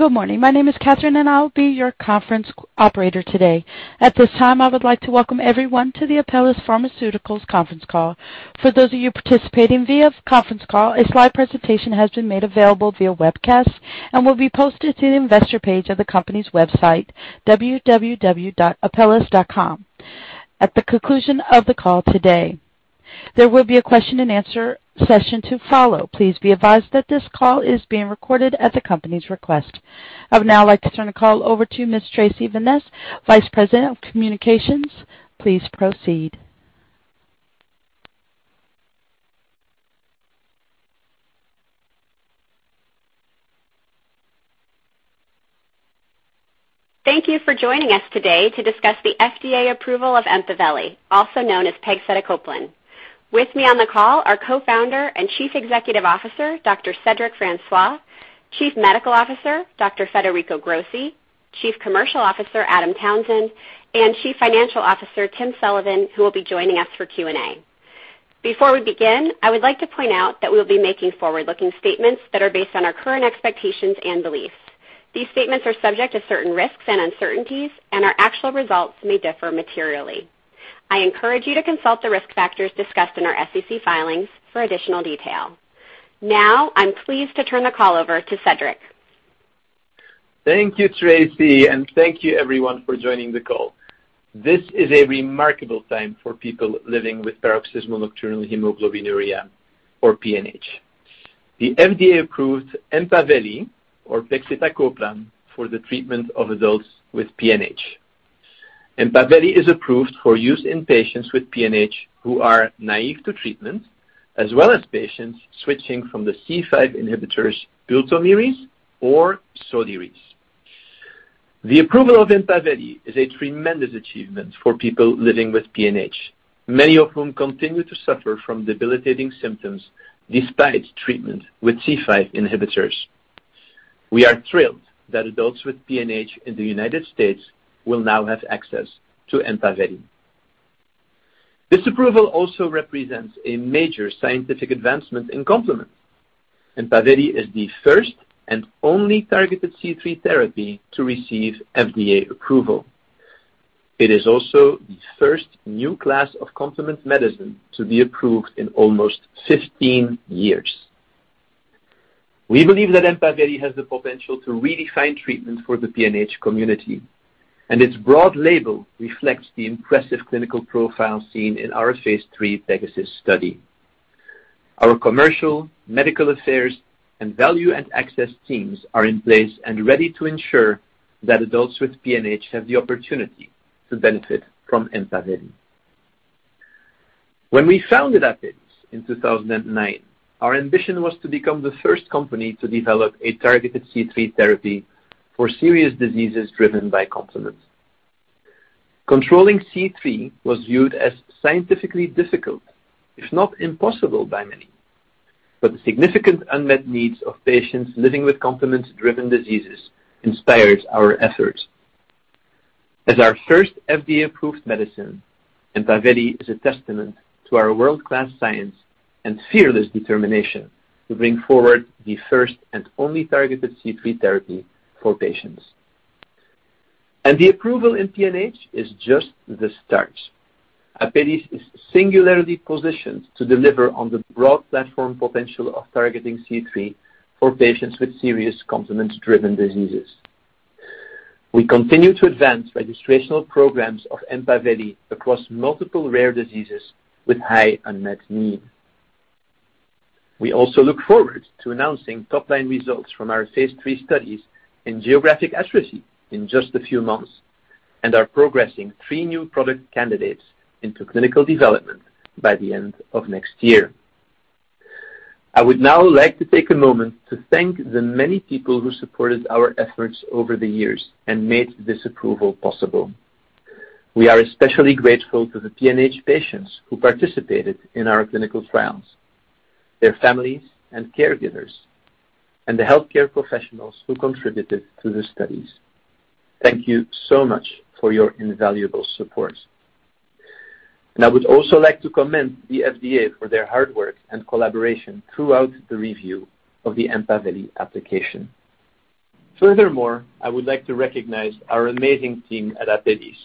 Good morning. My name is Catherine, and I'll be your conference operator today. At this time, I would like to welcome everyone to the Apellis Pharmaceuticals conference call. For those of you participating via conference call, a slide presentation has been made available via webcast and will be posted to the investor page of the company's website, www.apellis.com. At the conclusion of the call today, there will be a question and answer session to follow. Please be advised that this call is being recorded at the company's request. I would now like to turn the call over to Ms. Tracy Vineis, Vice President of Communications. Please proceed. Thank you for joining us today to discuss the FDA approval of EMPAVELI, also known as pegcetacoplan. With me on the call are Co-founder and Chief Executive Officer, Dr. Cedric Francois, Chief Medical Officer, Dr. Federico Grossi, Chief Commercial Officer, Adam Townsend, and Chief Financial Officer, Timothy Sullivan, who will be joining us for Q&A. Before we begin, I would like to point out that we'll be making forward-looking statements that are based on our current expectations and beliefs. These statements are subject to certain risks and uncertainties, and our actual results may differ materially. I encourage you to consult the risk factors discussed in our SEC filings for additional detail. Now, I'm pleased to turn the call over to Cedric. Thank you, Tracy, and thank you everyone for joining the call. This is a remarkable time for people living with paroxysmal nocturnal hemoglobinuria, or PNH. The FDA approved EMPAVELI, or pegcetacoplan, for the treatment of adults with PNH. EMPAVELI is approved for use in patients with PNH who are naïve to treatment, as well as patients switching from the C5 inhibitors, Ultomiris or SOLIRIS. The approval of EMPAVELI is a tremendous achievement for people living with PNH, many of whom continue to suffer from debilitating symptoms despite treatment with C5 inhibitors. We are thrilled that adults with PNH in the United States will now have access to EMPAVELI. This approval also represents a major scientific advancement in complement. EMPAVELI is the first and only targeted C3 therapy to receive FDA approval. It is also the first new class of complement medicine to be approved in almost 15 years. We believe that EMPAVELI has the potential to redefine treatment for the PNH community, and its broad label reflects the impressive clinical profile seen in our phase III PEGASUS study. Our commercial, medical affairs, and value and access teams are in place and ready to ensure that adults with PNH have the opportunity to benefit from EMPAVELI. When we founded Apellis in 2009, our ambition was to become the first company to develop a targeted C3 therapy for serious diseases driven by complement. Controlling C3 was viewed as scientifically difficult, if not impossible by many. The significant unmet needs of patients living with complement-driven diseases inspired our efforts. As our first FDA-approved medicine, EMPAVELI is a testament to our world-class science and fearless determination to bring forward the first and only targeted C3 therapy for patients. The approval in PNH is just the start. Apellis is singularly positioned to deliver on the broad platform potential of targeting C3 for patients with serious complement-driven diseases. We continue to advance registrational programs of EMPAVELI across multiple rare diseases with high unmet need. We also look forward to announcing top-line results from our phase III studies in geographic atrophy in just a few months and are progressing three new product candidates into clinical development by the end of next year. I would now like to take a moment to thank the many people who supported our efforts over the years and made this approval possible. We are especially grateful to the PNH patients who participated in our clinical trials, their families and caregivers, and the healthcare professionals who contributed to the studies. Thank you so much for your invaluable support. I would also like to commend the FDA for their hard work and collaboration throughout the review of the EMPAVELI application. Furthermore, I would like to recognize our amazing team at Apellis.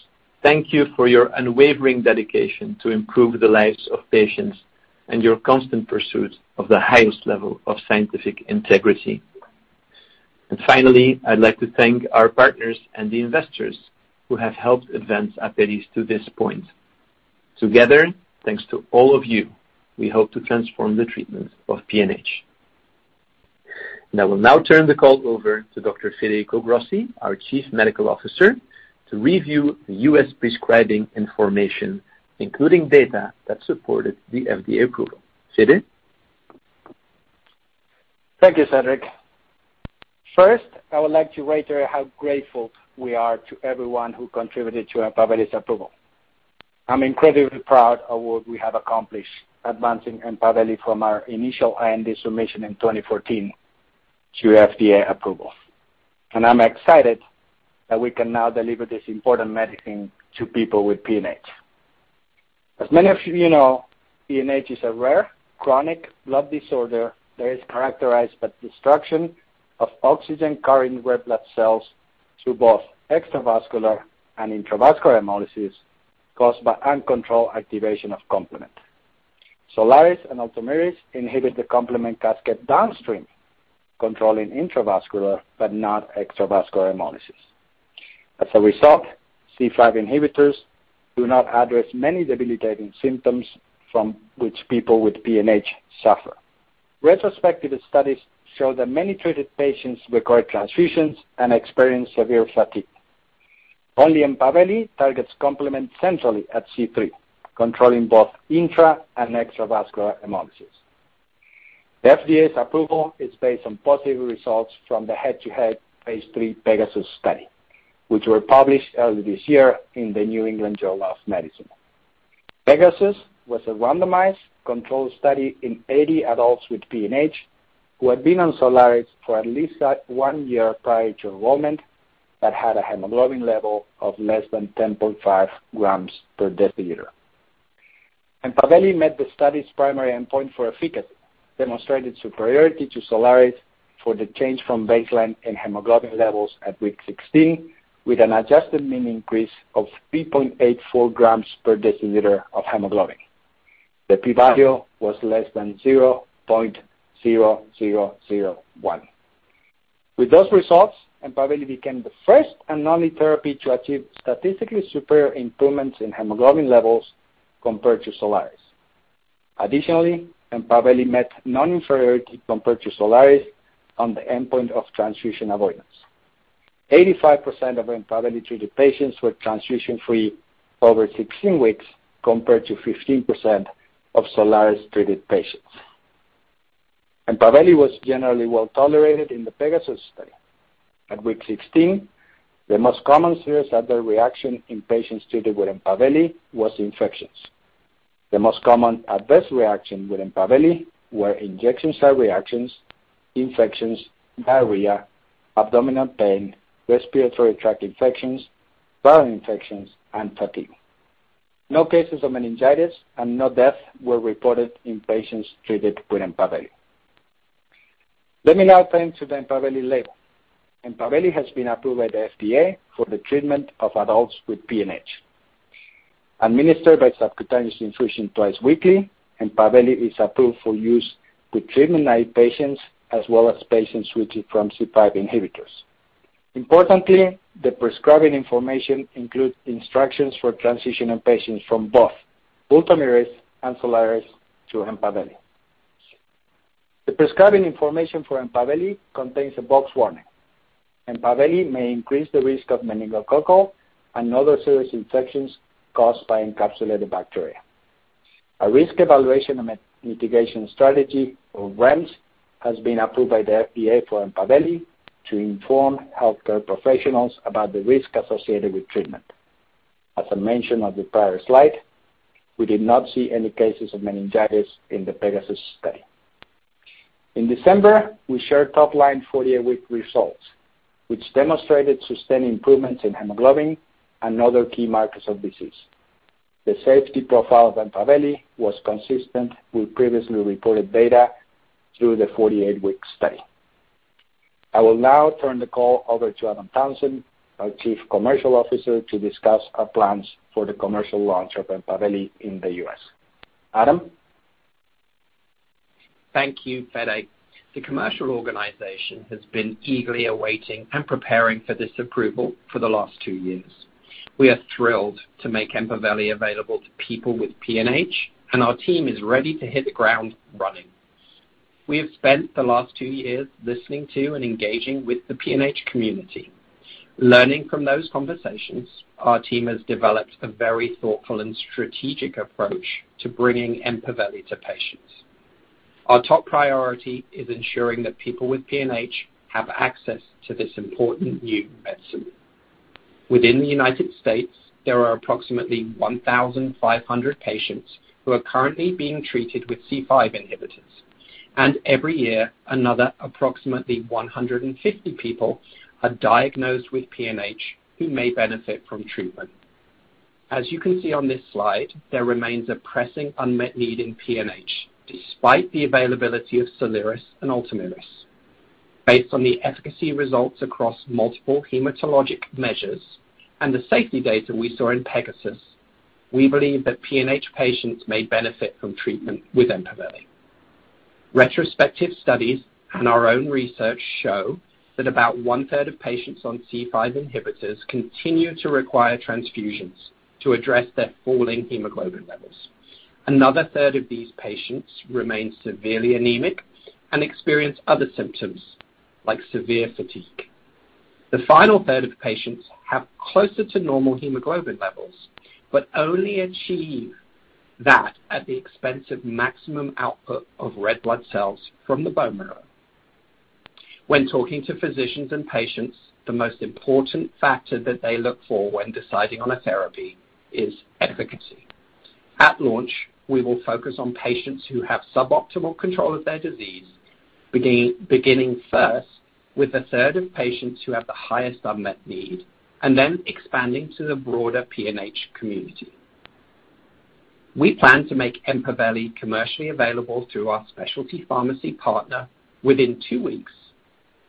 Thank you for your unwavering dedication to improve the lives of patients and your constant pursuit of the highest level of scientific integrity. Finally, I'd like to thank our partners and the investors who have helped advance Apellis to this point. Together, thanks to all of you, we hope to transform the treatment of PNH. I will now turn the call over to Dr. Federico Grossi, our Chief Medical Officer, to review the U.S. prescribing information, including data that supported the FDA approval. Federico? Thank you, Cedric. First, I would like to reiterate how grateful we are to everyone who contributed to EMPAVELI's approval. I'm incredibly proud of what we have accomplished advancing EMPAVELI from our initial IND submission in 2014 to FDA approval. I'm excited that we can now deliver this important medicine to people with PNH. As many of you know, PNH is a rare chronic blood disorder that is characterized by destruction of oxygen-carrying red blood cells through both extravascular and intravascular hemolysis caused by uncontrolled activation of complement. SOLIRIS and Ultomiris inhibit the complement cascade downstream, controlling intravascular but not extravascular hemolysis. As a result, C5 inhibitors do not address many debilitating symptoms from which people with PNH suffer. Retrospective studies show that many treated patients require transfusions and experience severe fatigue. Only EMPAVELI targets complement centrally at C3, controlling both intra and extravascular hemolysis. The FDA's approval is based on positive results from the head-to-head phase III PEGASUS study, which were published earlier this year in The New England Journal of Medicine. PEGASUS was a randomized control study in 80 adults with PNH who had been on SOLIRIS for at least one year prior to enrollment but had a hemoglobin level of less than 10.5 g/dL. EMPAVELI met the study's primary endpoint for efficacy, demonstrating superiority to SOLIRIS for the change from baseline in hemoglobin levels at week 16, with an adjusted mean increase of 3.84 g/dL of hemoglobin. The p-value was less than 0.0001. With those results, EMPAVELI became the first and only therapy to achieve statistically superior improvements in hemoglobin levels compared to SOLIRIS. Additionally, EMPAVELI met non-inferiority compared to SOLIRIS on the endpoint of transfusion avoidance. 85% of EMPAVELI-treated patients were transfusion-free over 16 weeks, compared to 15% of SOLIRIS-treated patients. EMPAVELI was generally well-tolerated in the PEGASUS study. At week 16, the most common serious adverse reaction in patients treated with EMPAVELI was infections. The most common adverse reactions with EMPAVELI were injection site reactions, infections, diarrhea, abdominal pain, respiratory tract infections, viral infections, and fatigue. No cases of meningitis and no deaths were reported in patients treated with EMPAVELI. Let me now turn to the EMPAVELI label. EMPAVELI has been approved by the FDA for the treatment of adults with PNH. Administered by subcutaneous infusion twice weekly, EMPAVELI is approved for use with treatment-naïve patients as well as patients switching from C5 inhibitors. Importantly, the prescribing information includes instructions for transitioning patients from both Ultomiris and SOLIRIS to EMPAVELI. The prescribing information for EMPAVELI contains a box warning. EMPAVELI may increase the risk of meningococcal and other serious infections caused by encapsulated bacteria. A risk evaluation and mitigation strategy, or REMS, has been approved by the FDA for EMPAVELI to inform healthcare professionals about the risk associated with treatment. As I mentioned on the prior slide, we did not see any cases of meningitis in the PEGASUS study. In December, we shared top-line 48-week results, which demonstrated sustained improvements in hemoglobin and other key markers of disease. The safety profile of EMPAVELI was consistent with previously reported data through the 48-week study. I will now turn the call over to Adam Townsend, our Chief Commercial Officer, to discuss our plans for the commercial launch of EMPAVELI in the U.S. Adam? Thank you, Federico. The commercial organization has been eagerly awaiting and preparing for this approval for the last two years. We are thrilled to make EMPAVELI available to people with PNH, and our team is ready to hit the ground running. We have spent the last two years listening to and engaging with the PNH community. Learning from those conversations, our team has developed a very thoughtful and strategic approach to bringing EMPAVELI to patients. Our top priority is ensuring that people with PNH have access to this important new medicine. Within the U.S., there are approximately 1,500 patients who are currently being treated with C5 inhibitors, and every year, another approximately 150 people are diagnosed with PNH who may benefit from treatment. As you can see on this slide, there remains a pressing unmet need in PNH, despite the availability of SOLIRIS and Ultomiris. Based on the efficacy results across multiple hematologic measures and the safety data we saw in PEGASUS, we believe that PNH patients may benefit from treatment with EMPAVELI. Retrospective studies and our own research show that about 1/3 of patients on C5 inhibitors continue to require transfusions to address their falling hemoglobin levels. Another third of these patients remain severely anemic and experience other symptoms, like severe fatigue. The final third of patients have closer to normal hemoglobin levels but only achieve that at the expense of maximum output of red blood cells from the bone marrow. When talking to physicians and patients, the most important factor that they look for when deciding on a therapy is efficacy. At launch, we will focus on patients who have suboptimal control of their disease. Beginning first with a third of patients who have the highest unmet need, and then expanding to the broader PNH community. We plan to make EMPAVELI commercially available through our specialty pharmacy partner within two weeks.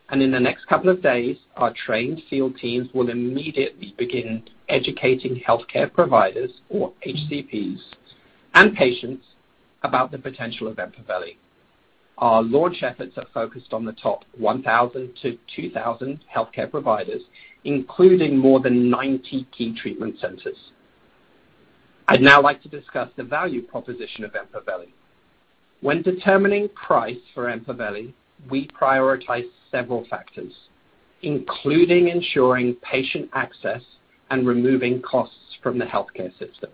In the next couple of days, our trained field teams will immediately begin educating healthcare providers, or HCPs, and patients about the potential of EMPAVELI. Our launch efforts are focused on the top 1,000-2,000 healthcare providers, including more than 90 key treatment centers. I'd now like to discuss the value proposition of EMPAVELI. When determining price for EMPAVELI, we prioritize several factors, including ensuring patient access and removing costs from the healthcare system.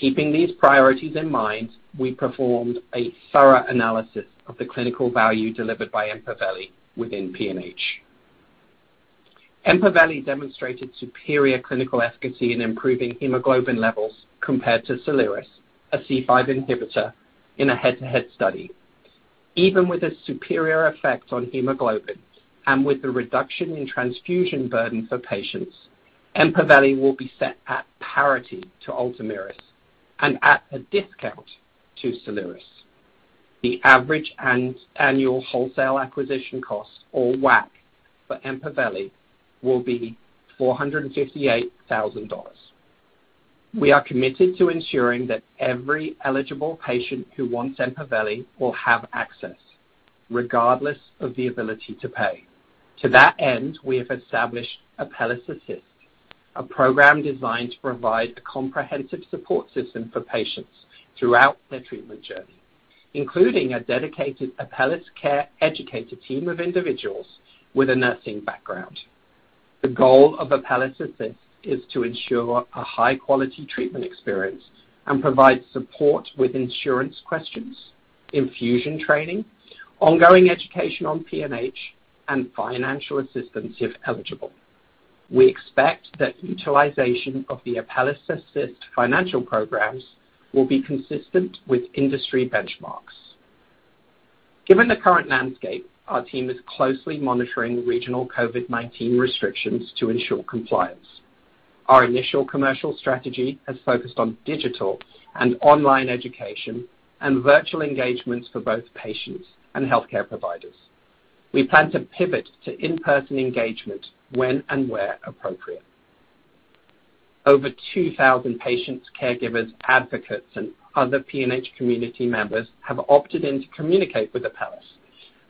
Keeping these priorities in mind, we performed a thorough analysis of the clinical value delivered by EMPAVELI within PNH. EMPAVELI demonstrated superior clinical efficacy in improving hemoglobin levels compared to SOLIRIS, a C5 inhibitor, in a head-to-head study. Even with its superior effect on hemoglobin and with the reduction in transfusion burden for patients, EMPAVELI will be set at parity to Ultomiris and at a discount to SOLIRIS. The average annual wholesale acquisition cost, or WAC, for EMPAVELI will be $458,000. We are committed to ensuring that every eligible patient who wants EMPAVELI will have access, regardless of the ability to pay. To that end, we have established ApellisAssist, a program designed to provide a comprehensive support system for patients throughout their treatment journey, including a dedicated Apellis Care Educator team of individuals with a nursing background. The goal of ApellisAssist is to ensure a high-quality treatment experience and provide support with insurance questions, infusion training, ongoing education on PNH, and financial assistance if eligible. We expect that utilization of the ApellisAssist financial programs will be consistent with industry benchmarks. Given the current landscape, our team is closely monitoring regional COVID-19 restrictions to ensure compliance. Our initial commercial strategy has focused on digital and online education and virtual engagements for both patients and healthcare providers. We plan to pivot to in-person engagement when and where appropriate. Over 2,000 patients, caregivers, advocates, and other PNH community members have opted in to communicate with Apellis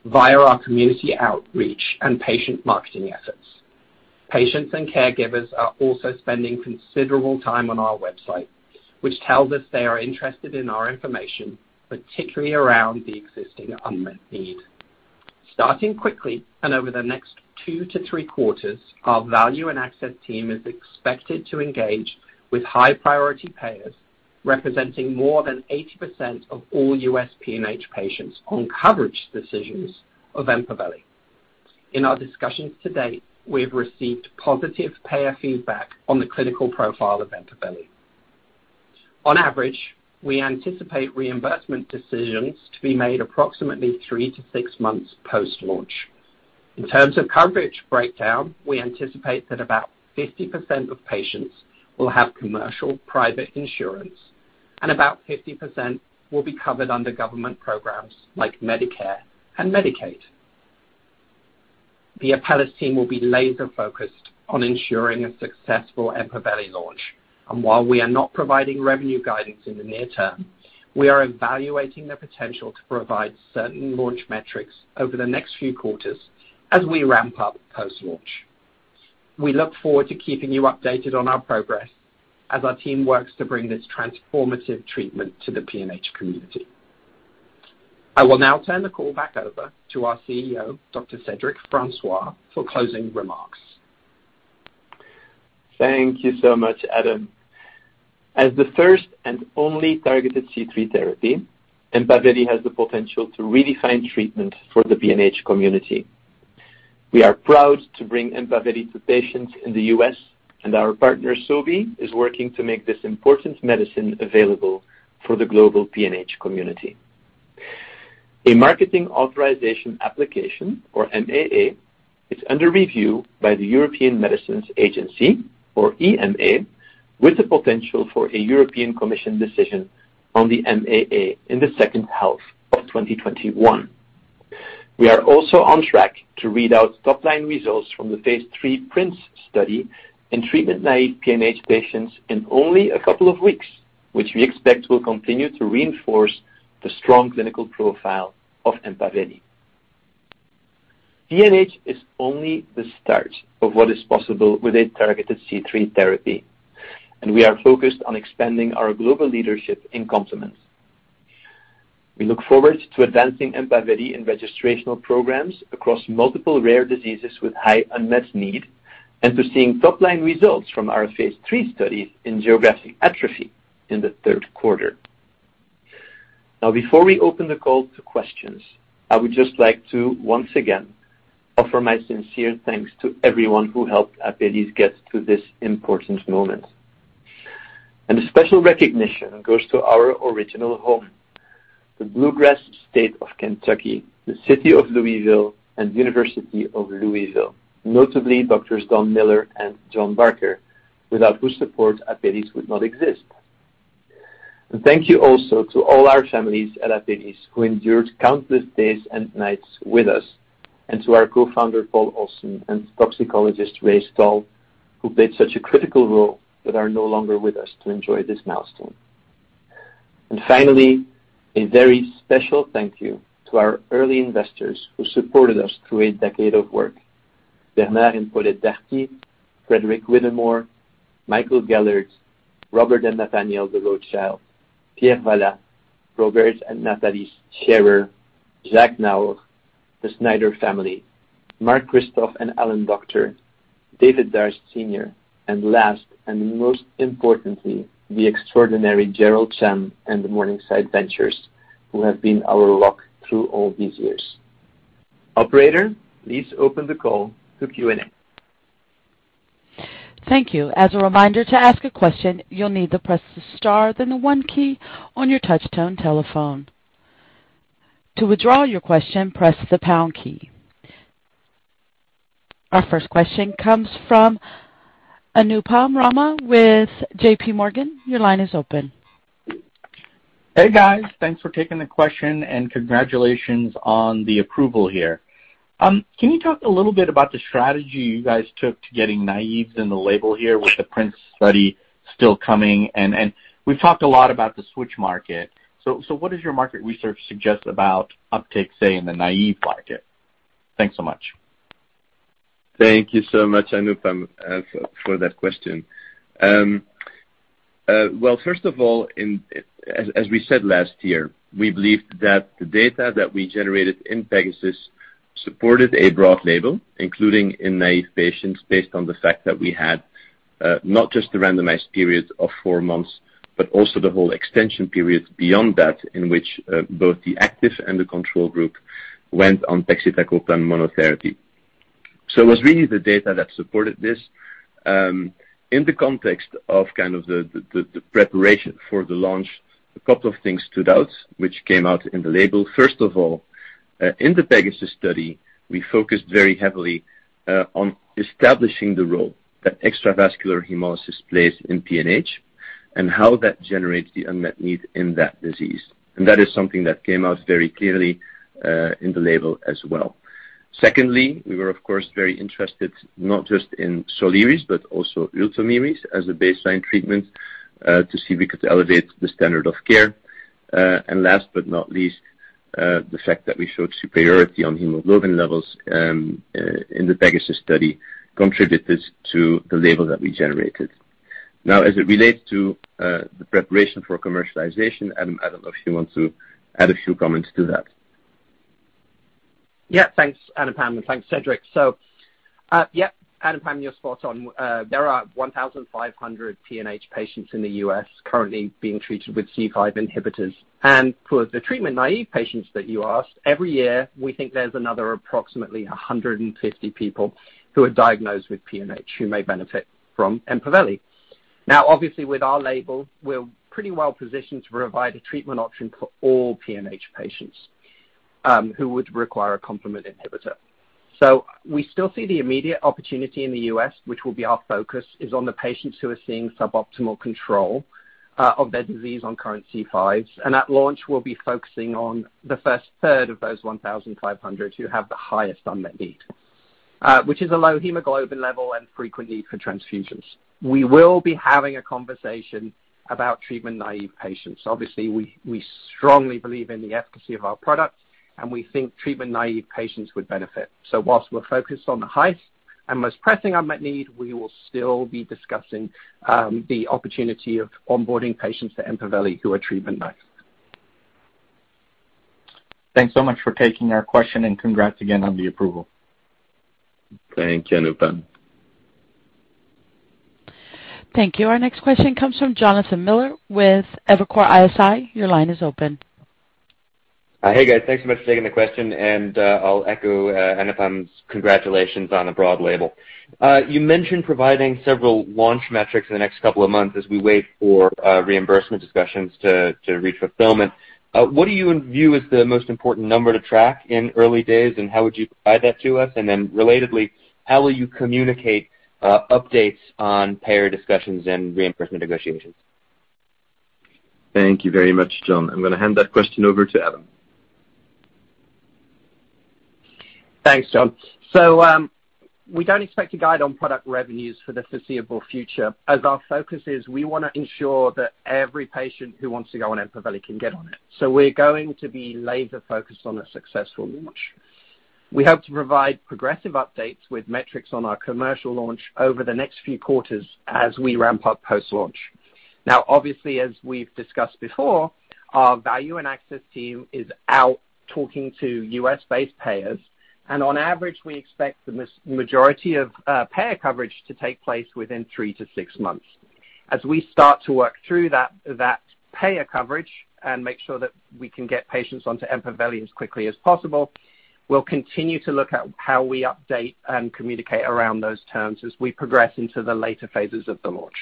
via our community outreach and patient marketing efforts. Patients and caregivers are also spending considerable time on our website, which tells us they are interested in our information, particularly around the existing unmet need. Starting quickly and over the next two to three quarters, our value and access team is expected to engage with high-priority payers, representing more than 80% of all U.S. PNH patients on coverage decisions of EMPAVELI. In our discussions to date, we have received positive payer feedback on the clinical profile of EMPAVELI. On average, we anticipate reimbursement decisions to be made approximately three to six months post-launch. In terms of coverage breakdown, we anticipate that about 50% of patients will have commercial private insurance. About 50% will be covered under government programs like Medicare and Medicaid. The Apellis team will be laser-focused on ensuring a successful EMPAVELI launch. While we are not providing revenue guidance in the near-term, we are evaluating the potential to provide certain launch metrics over the next few quarters as we ramp up post-launch. We look forward to keeping you updated on our progress as our team works to bring this transformative treatment to the PNH community. I will now turn the call back over to our CEO, Dr. Cedric Francois, for closing remarks. Thank you so much, Adam. As the first and only targeted C3 therapy, EMPAVELI has the potential to redefine treatment for the PNH community. We are proud to bring EMPAVELI to patients in the U.S., and our partner, Sobi, is working to make this important medicine available for the global PNH community. A marketing authorization application, or MAA, is under review by the European Medicines Agency, or EMA, with the potential for a European Commission decision on the MAA in the second half of 2021. We are also on track to read out top-line results from the phase III PRINCE study in treatment-naive PNH patients in only a couple of weeks, which we expect will continue to reinforce the strong clinical profile of EMPAVELI. PNH is only the start of what is possible with a targeted C3 therapy, and we are focused on expanding our global leadership in complements. We look forward to advancing EMPAVELI in registrational programs across multiple rare diseases with high unmet need, and to seeing top-line results from our phase III study in geographic atrophy in the third quarter. Before we open the call to questions, I would just like to once again offer my sincere thanks to everyone who helped Apellis get to this important moment. A special recognition goes to our original home, the bluegrass state of Kentucky, the city of Louisville, and University of Louisville, notably Drs. Don Miller and John Barker, without whose support Apellis would not exist. Thank you also to all our families at Apellis who endured countless days and nights with us, and to our co-founder, Paul Olson, and toxicologist Ray Stahl, who played such a critical role but are no longer with us to enjoy this milestone. Finally, a very special thank you to our early investors who supported us through a decade of work, Bernard and Paulette Dartigues, Frederick Whittemore, Michael Gellert, Robert and Nathaniel de Rothschild, Pierre Valach, Robert and Nathalie Scherrer, Jack Naugle, the Snyder family, Mark Christoph and Alec Machiels, David Darst, and last and most importantly, the extraordinary Gerald Chan and Morningside Ventures, who have been our rock through all these years. Operator, please open the call to Q&A. Thank you. As a reminder to ask a question, you'll need to press the star then the one key on your touchtone telephone. To withdraw your question, press the pound key. Our first question comes from Anupam Rama with JPMorgan. Your line is open. Hey, guys. Thanks for taking the question, and congratulations on the approval here. Can you talk a little bit about the strategy you guys took to getting naives in the label here with the PRINCE study still coming? We've talked a lot about the switch market. What does your market research suggest about uptake, say, in the naive pocket? Thanks so much. Thank you so much, Anupam, for that question. First of all, as we said last year, we believed that the data that we generated in PEGASUS supported a broad label, including in naive patients, based on the fact that we had not just a randomized period of four months, but also the whole extension period beyond that in which both the active and the control group went on pegcetacoplan monotherapy. It was really the data that supported this. In the context of the preparation for the launch, a couple of things stood out, which came out in the label. First of all, in the PEGASUS study, we focused very heavily on establishing the role that extravascular hemolysis plays in PNH and how that generates the unmet need in that disease. That is something that came out very clearly in the label as well. Secondly, we were of course very interested not just in SOLIRIS, but also Ultomiris as a baseline treatment to see if we could elevate the standard of care. Last but not least, the fact that we showed superiority on hemoglobin levels in the PEGASUS study contributed to the label that we generated. Now, as it relates to the preparation for commercialization, Adam, I don't know if you want to add a few comments to that. Yeah, thanks, Anupam. Thanks, Cedric. Anupam, you're spot on. There are 1,500 PNH patients in the U.S. currently being treated with C5 inhibitors. For the treatment-naïve patients that you asked, every year, we think there's another approximately 150 people who are diagnosed with PNH who may benefit from EMPAVELI. Obviously, with our label, we're pretty well positioned to provide a treatment option for all PNH patients who would require a complement inhibitor. We still see the immediate opportunity in the U.S., which will be our focus, is on the patients who are seeing suboptimal control of their disease on current C5s. At launch, we'll be focusing on the first third of those 1,500 who have the highest unmet need, which is a low hemoglobin level and frequency for transfusions. We will be having a conversation about treatment-naïve patients. Obviously, we strongly believe in the efficacy of our product, and we think treatment-naive patients would benefit. Whilst we're focused on the highest and most pressing unmet need, we will still be discussing the opportunity of onboarding patients to EMPAVELI who are treatment-naive. Thanks so much for taking our question, and congrats again on the approval. Thank you, Anupam. Thank you. Our next question comes from Jonathan Miller with Evercore ISI. Your line is open. Hey, guys. Thanks so much for taking the question, and I'll echo Anupam's congratulations on a broad label. You mentioned providing several launch metrics in the next couple of months as we wait for reimbursement discussions to reach fulfillment. What do you view as the most important number to track in early days, and how would you provide that to us? Relatedly, how will you communicate updates on payer discussions and reimbursement negotiations? Thank you very much, John. I'm going to hand that question over to Adam. Thanks, John. We don't expect to guide on product revenues for the foreseeable future, as our focus is we want to ensure that every patient who wants to go on EMPAVELI can get on it. We're going to be laser-focused on a successful launch. We hope to provide progressive updates with metrics on our commercial launch over the next few quarters as we ramp up post-launch. Now, obviously, as we've discussed before, our value and access team is out talking to U.S.-based payers. On average, we expect the majority of payer coverage to take place within three to six months. As we start to work through that payer coverage and make sure that we can get patients onto EMPAVELI as quickly as possible We'll continue to look at how we update and communicate around those terms as we progress into the later phases of the launch.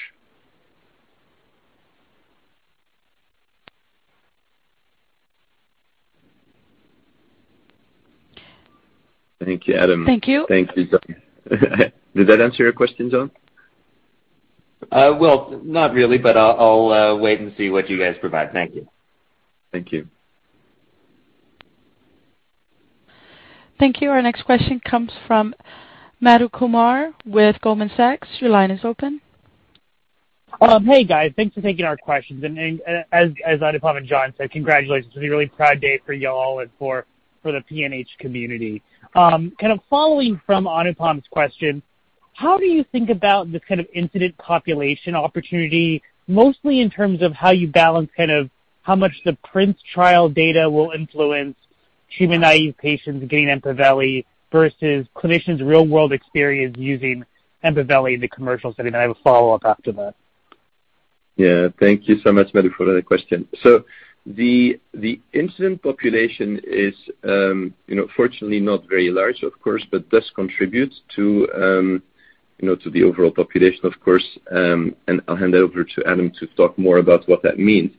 Thank you, Adam. Thank you. Thank you. Does that answer your question, John? Well, not really, but I'll wait and see what you guys provide. Thank you. Thank you. Thank you. Our next question comes from Madhu Kumar with Goldman Sachs. Your line is open. Hey, guys. Thanks for taking our questions. As Anupam and John said, congratulations. It's a really proud day for y'all and for the PNH community. Kind of following from Anupam's question, how do you think about this kind of incident population opportunity, mostly in terms of how you balance how much the PRINCE trial data will influence treatment-naive patients getting EMPAVELI versus clinicians' real-world experience using EMPAVELI in the commercial setting? I have a follow-up after that. Thank you so much, Madhu, for that question. The incident population is fortunately not very large, of course, but does contribute to the overall population, of course, and I'll hand over to Adam to talk more about what that means.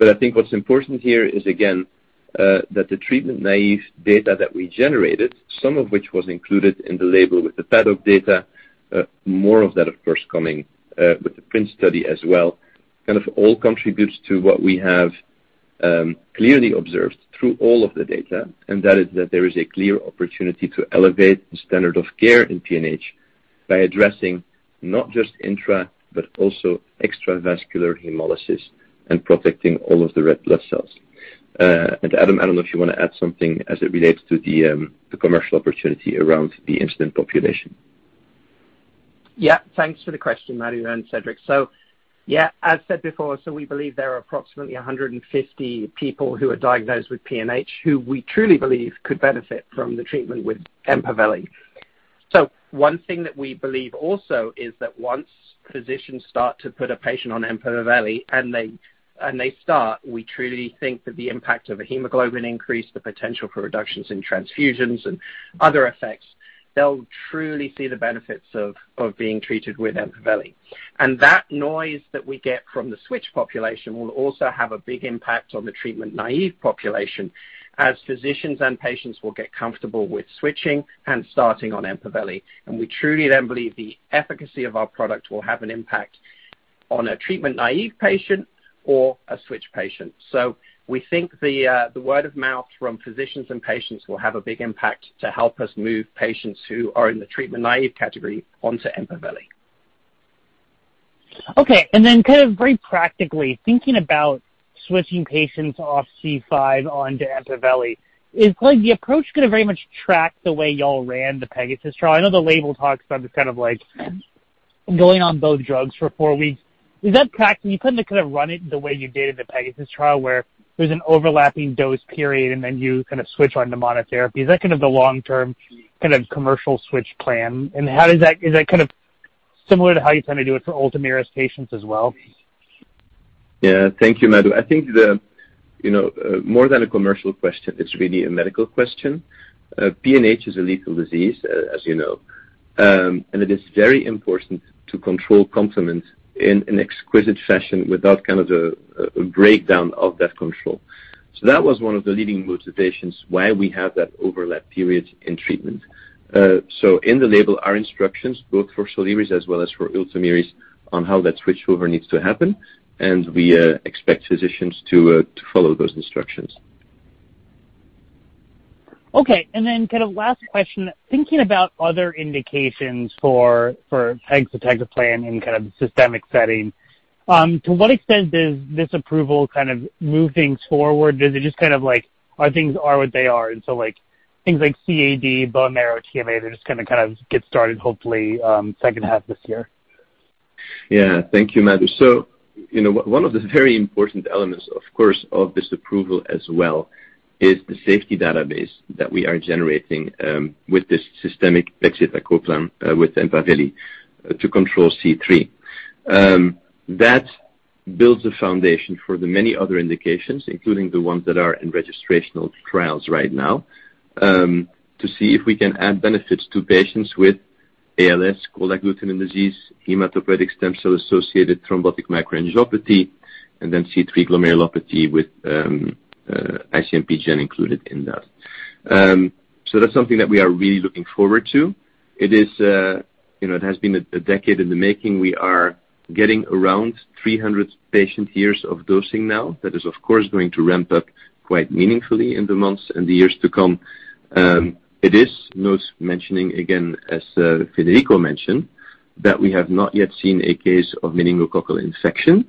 I think what's important here is, again, that the treatment-naïve data that we generated, some of which was included in the label with the ADOPT data, more of that, of course, coming with the PRINCE study as well, kind of all contributes to what we have clearly observed through all of the data, and that is that there is a clear opportunity to elevate the standard of care in PNH by addressing not just intravascular, but also extravascular hemolysis and protecting all of the red blood cells. Adam, I don't know if you want to add something as it relates to the commercial opportunity around the incident population. Yeah. Thanks for the question, Madhu and Cedric. Yeah, as said before, we believe there are approximately 150 people who are diagnosed with PNH who we truly believe could benefit from the treatment with EMPAVELI. One thing that we believe also is that once physicians start to put a patient on EMPAVELI, and they start, we truly think that the impact of a hemoglobin increase, the potential for reductions in transfusions, and other effects, they'll truly see the benefits of being treated with EMPAVELI. That noise that we get from the switch population will also have a big impact on the treatment-naive population as physicians and patients will get comfortable with switching and starting on EMPAVELI. We truly then believe the efficacy of our product will have an impact on a treatment-naive patient or a switch patient. We think the word of mouth from physicians and patients will have a big impact to help us move patients who are in the treatment-naive category onto EMPAVELI. Okay. Kind of very practically thinking about switching patients off C5 onto EMPAVELI, is the approach going to very much track the way you all ran the PEGASUS trial? I know the label talks about going on both drugs for four weeks. You couldn't run it the way you did in the PEGASUS trial where there's an overlapping dose period and then you switch on to monotherapy. Is that the long-term commercial switch plan, and is that similar to how you plan to do it for Ultomiris patients as well? Thank you, Madhu. I think that more than a commercial question, it's really a medical question. PNH is a lethal disease, as you know. It is very important to control complement in an exquisite fashion without a breakdown of that control. That was one of the leading motivations why we had that overlap period in treatment. In the label, our instructions, both for SOLIRIS as well as for Ultomiris, on how that switchover needs to happen, and we expect physicians to follow those instructions. Last question, thinking about other indications for pegcetacoplan in systemic settings, to what extent is this approval moving forward? Are things are what they are? Things like CAD, bone marrow, TMA, they're just going to get started, hopefully, second half this year. Yeah. Thank you, Madhu. One of the very important elements, of course, of this approval as well is the safety database that we are generating with this systemic pegcetacoplan with EMPAVELI to control C3. That builds a foundation for the many other indications, including the ones that are in registrational trials right now, to see if we can add benefits to patients with ALS, cold agglutinin disease, hematopoietic stem cell transplant-associated thrombotic microangiopathy, and then C3 glomerulopathy with StXNP gen included in that. That's something that we are really looking forward to. It has been a decade in the making. We are getting around 300 patient years of dosing now. That is, of course, going to ramp up quite meaningfully in the months and the years to come. It is worth mentioning again, as Federico mentioned, that we have not yet seen a case of meningococcal infection,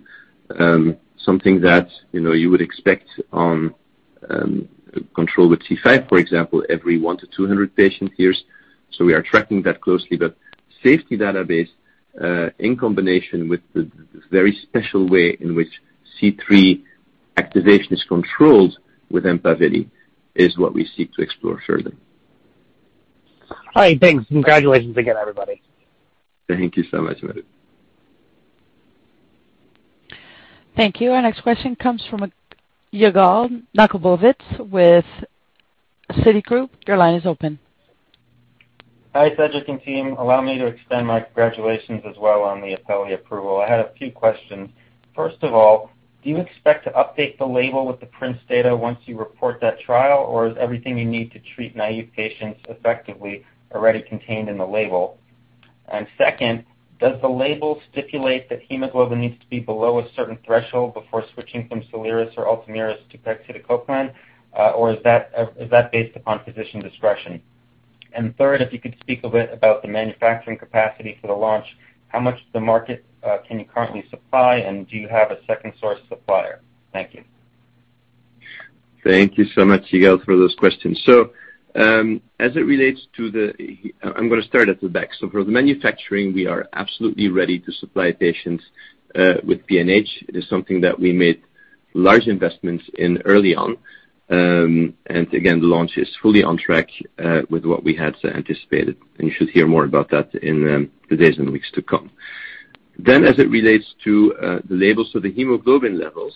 something that you would expect on controlled with C5, for example, every one to 200 patient years. We are tracking that closely. The safety database, in combination with the very special way in which C3 activation is controlled with EMPAVELI, is what we seek to explore further. All right. Thanks. Congratulations again, everybody. Thank you so much, Madhu. Thank you. Our next question comes from Yigal Nochomovitz with Citigroup. Your line is open. Hi, Cedric and team. Allow me to extend my congratulations as well on the Apellis approval. I have a few questions. First of all, do you expect to update the label with the PRINCE data once you report that trial, or is everything you need to treat naïve patients effectively already contained in the label? Second, does the label stipulate that hemoglobin needs to be below a certain threshold before switching from SOLIRIS or Ultomiris to pegcetacoplan, or is that based upon physician discretion? Third, if you could speak a bit about the manufacturing capacity for the launch, how much of the market can you currently supply, and do you have a second-source supplier? Thank you. Thank you so much, Yigal, for those questions. As it relates to the I'm going to start at the back. For the manufacturing, we are absolutely ready to supply patients with PNH. It is something that we made large investments in early on. Again, the launch is fully on track with what we had anticipated, and you should hear more about that in the days and weeks to come. As it relates to the labels of the hemoglobin levels,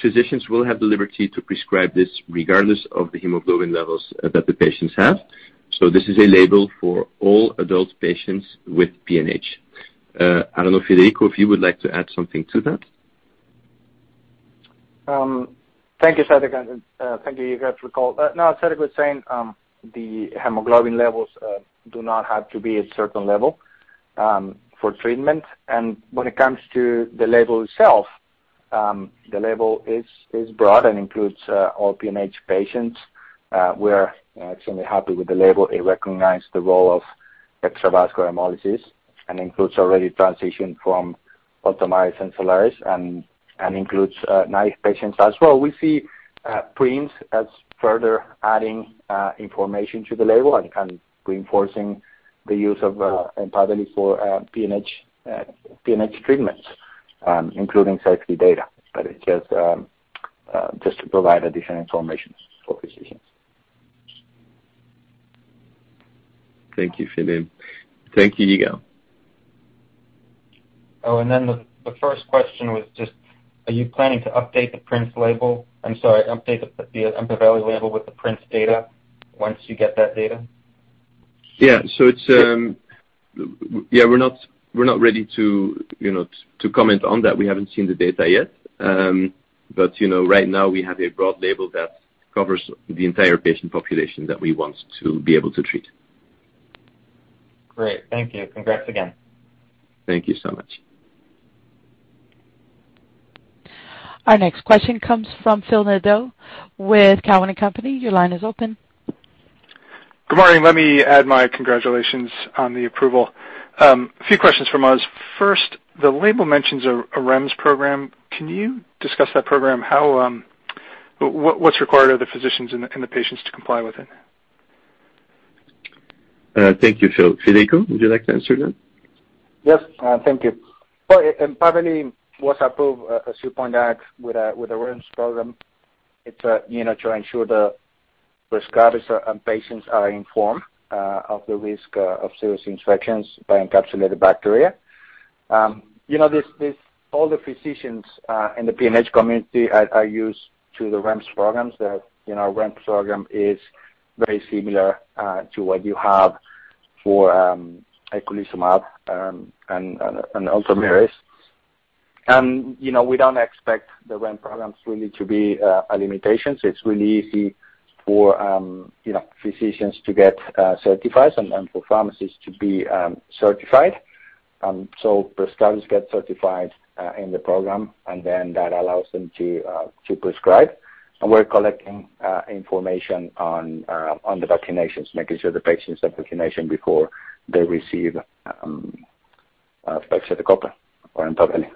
physicians will have the liberty to prescribe this regardless of the hemoglobin levels that the patients have. This is a label for all adult patients with PNH. I don't know if Federico, if you would like to add something to that. Thank you, Cedric. Thank you, Yigal, for the call. No, as Cedric was saying, the hemoglobin levels do not have to be a certain level for treatment. When it comes to the label itself, the label is broad and includes all PNH patients. We're extremely happy with the label. It recognized the role of extravascular hemolysis and includes already transitioned from Ultomiris and SOLIRIS and includes naive patients as well. We see PRINCE as further adding information to the label and reinforcing the use of EMPAVELI for PNH treatments, including safety data. It is just to provide additional information for physicians. Thank you, Federico. Thank you, Yigal. The first question was just, are you planning to update the Apellis label with the PRINCE data once you get that data? Yeah, we're not ready to comment on that. We haven't seen the data yet. Right now, we have a broad label that covers the entire patient population that we want to be able to treat. Great. Thank you. Congrats again. Thank you so much. Our next question comes from Phil Nadeau with Cowen and Company. Your line is open. Good morning. Let me add my congratulations on the approval. A few questions from us. First, the label mentions a REMS program. Can you discuss that program? What's required of the physicians and the patients to comply with it? Thank you, Phil. Federico, would you like to answer that? Yes, thank you. EMPAVELI was approved as you point out with a REMS program to ensure that prescribers and patients are informed of the risk of serious infections by encapsulated bacteria. All the physicians in the PNH community are used to the REMS programs. That REMS program is very similar to what you have for eculizumab and Ultomiris. We don't expect the REMS programs really to be a limitation. It's really easy for physicians to get certified and for pharmacists to be certified. Prescribers get certified in the program, and then that allows them to prescribe. We're collecting information on the vaccinations, making sure the patients have vaccination before they receive pegcetacoplan or EMPAVELI.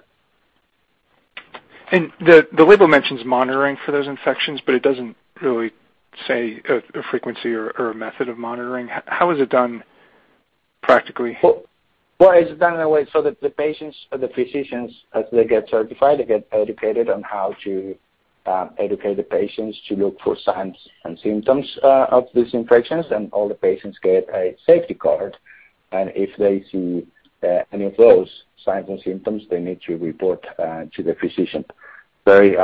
The label mentions monitoring for those infections, but it doesn't really say a frequency or a method of monitoring. How is it done practically? Well, it's done in a way so that the physicians, as they get certified, they get educated on how to educate the patients to look for signs and symptoms of these infections, and all the patients get a safety card. If they see any of those signs and symptoms, they need to report to their physician. Very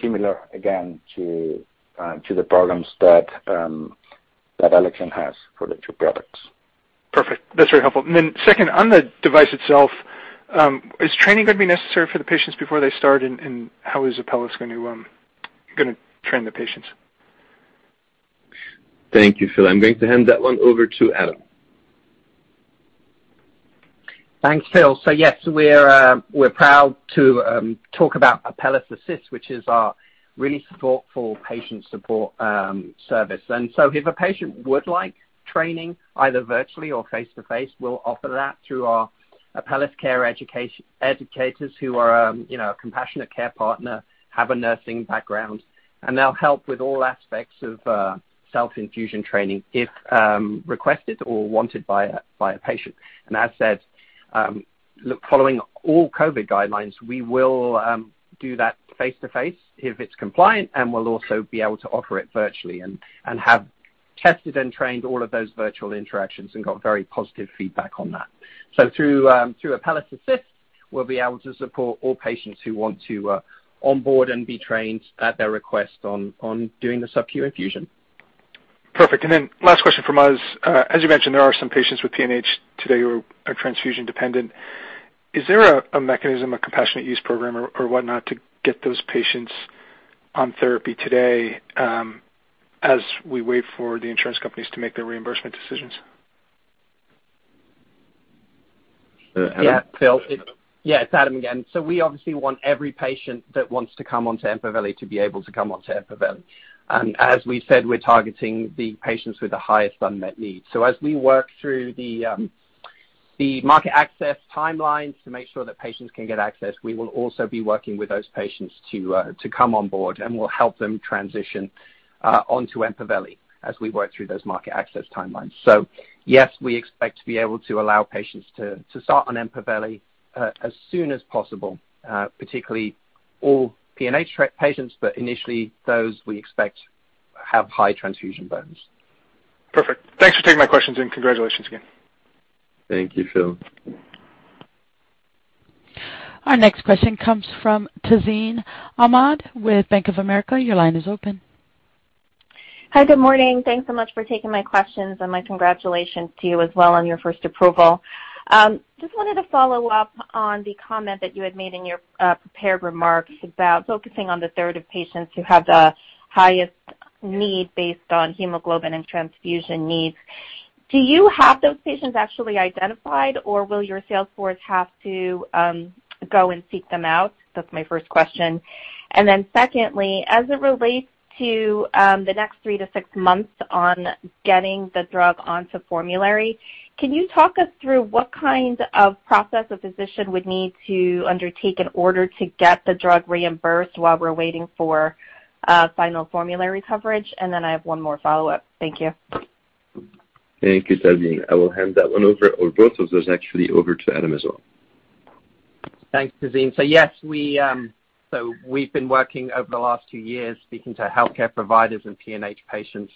similar, again, to the programs that Alexion has for the two products. Perfect. That's very helpful. Then second, on the device itself, is training going to be necessary for the patients before they start, and how is Apellis going to train the patients? Thank you, Phil. I'm going to hand that one over to Adam. Thanks, Phil. Yes, we're proud to talk about ApellisAssist, which is our really thoughtful patient support service. If a patient would like training either virtually or face-to-face, we'll offer that through our Apellis care educators who are a compassionate care partner, have a nursing background, and they'll help with all aspects of self-infusion training if requested or wanted by a patient. As said, following all COVID guidelines. We will do that face-to-face if it's compliant, and we'll also be able to offer it virtually. Tested and trained all of those virtual interactions and got very positive feedback on that. Through ApellisAssist, we'll be able to support all patients who want to onboard and be trained at their request on doing the subcutaneous infusion. Perfect. Last question from us. As you mentioned, there are some patients with PNH today who are transfusion-dependent. Is there a mechanism, a compassionate use program or whatnot, to get those patients on therapy today as we wait for the insurance companies to make their reimbursement decisions? Yeah. Phil? Yeah, it's Adam again. We obviously want every patient that wants to come onto EMPAVELI to be able to come onto EMPAVELI. As we said, we're targeting the patients with the highest unmet need. As we work through the market access timelines to make sure that patients can get access, we will also be working with those patients to come on board, and we'll help them transition onto EMPAVELI as we work through those market access timelines. Yes, we expect to be able to allow patients to start on EMPAVELI as soon as possible, particularly all PNH patients, but initially, those we expect have high transfusion burdens. Perfect. Thanks for taking my questions, and congratulations again. Thank you, Phil. Our next question comes from Tazeen Ahmad with Bank of America. Your line is open. Hi, good morning. Thanks so much for taking my questions. My congratulations to you as well on your first approval. Just wanted to follow up on the comment that you had made in your prepared remarks about focusing on the third of patients who have the highest need based on hemoglobin and transfusion needs. Do you have those patients actually identified, or will your sales force have to go and seek them out? That's my first question. Secondly, as it relates to the next three to six months on getting the drug onto formulary, can you talk us through what kind of process a physician would need to undertake in order to get the drug reimbursed while we're waiting for final formulary coverage? I have one more follow-up. Thank you. Thank you, Tazeen. I will hand that one over, or both of those actually, over to Adam as well. Thanks, Tazeen. Yes, we've been working over the last few years speaking to healthcare providers and PNH patients.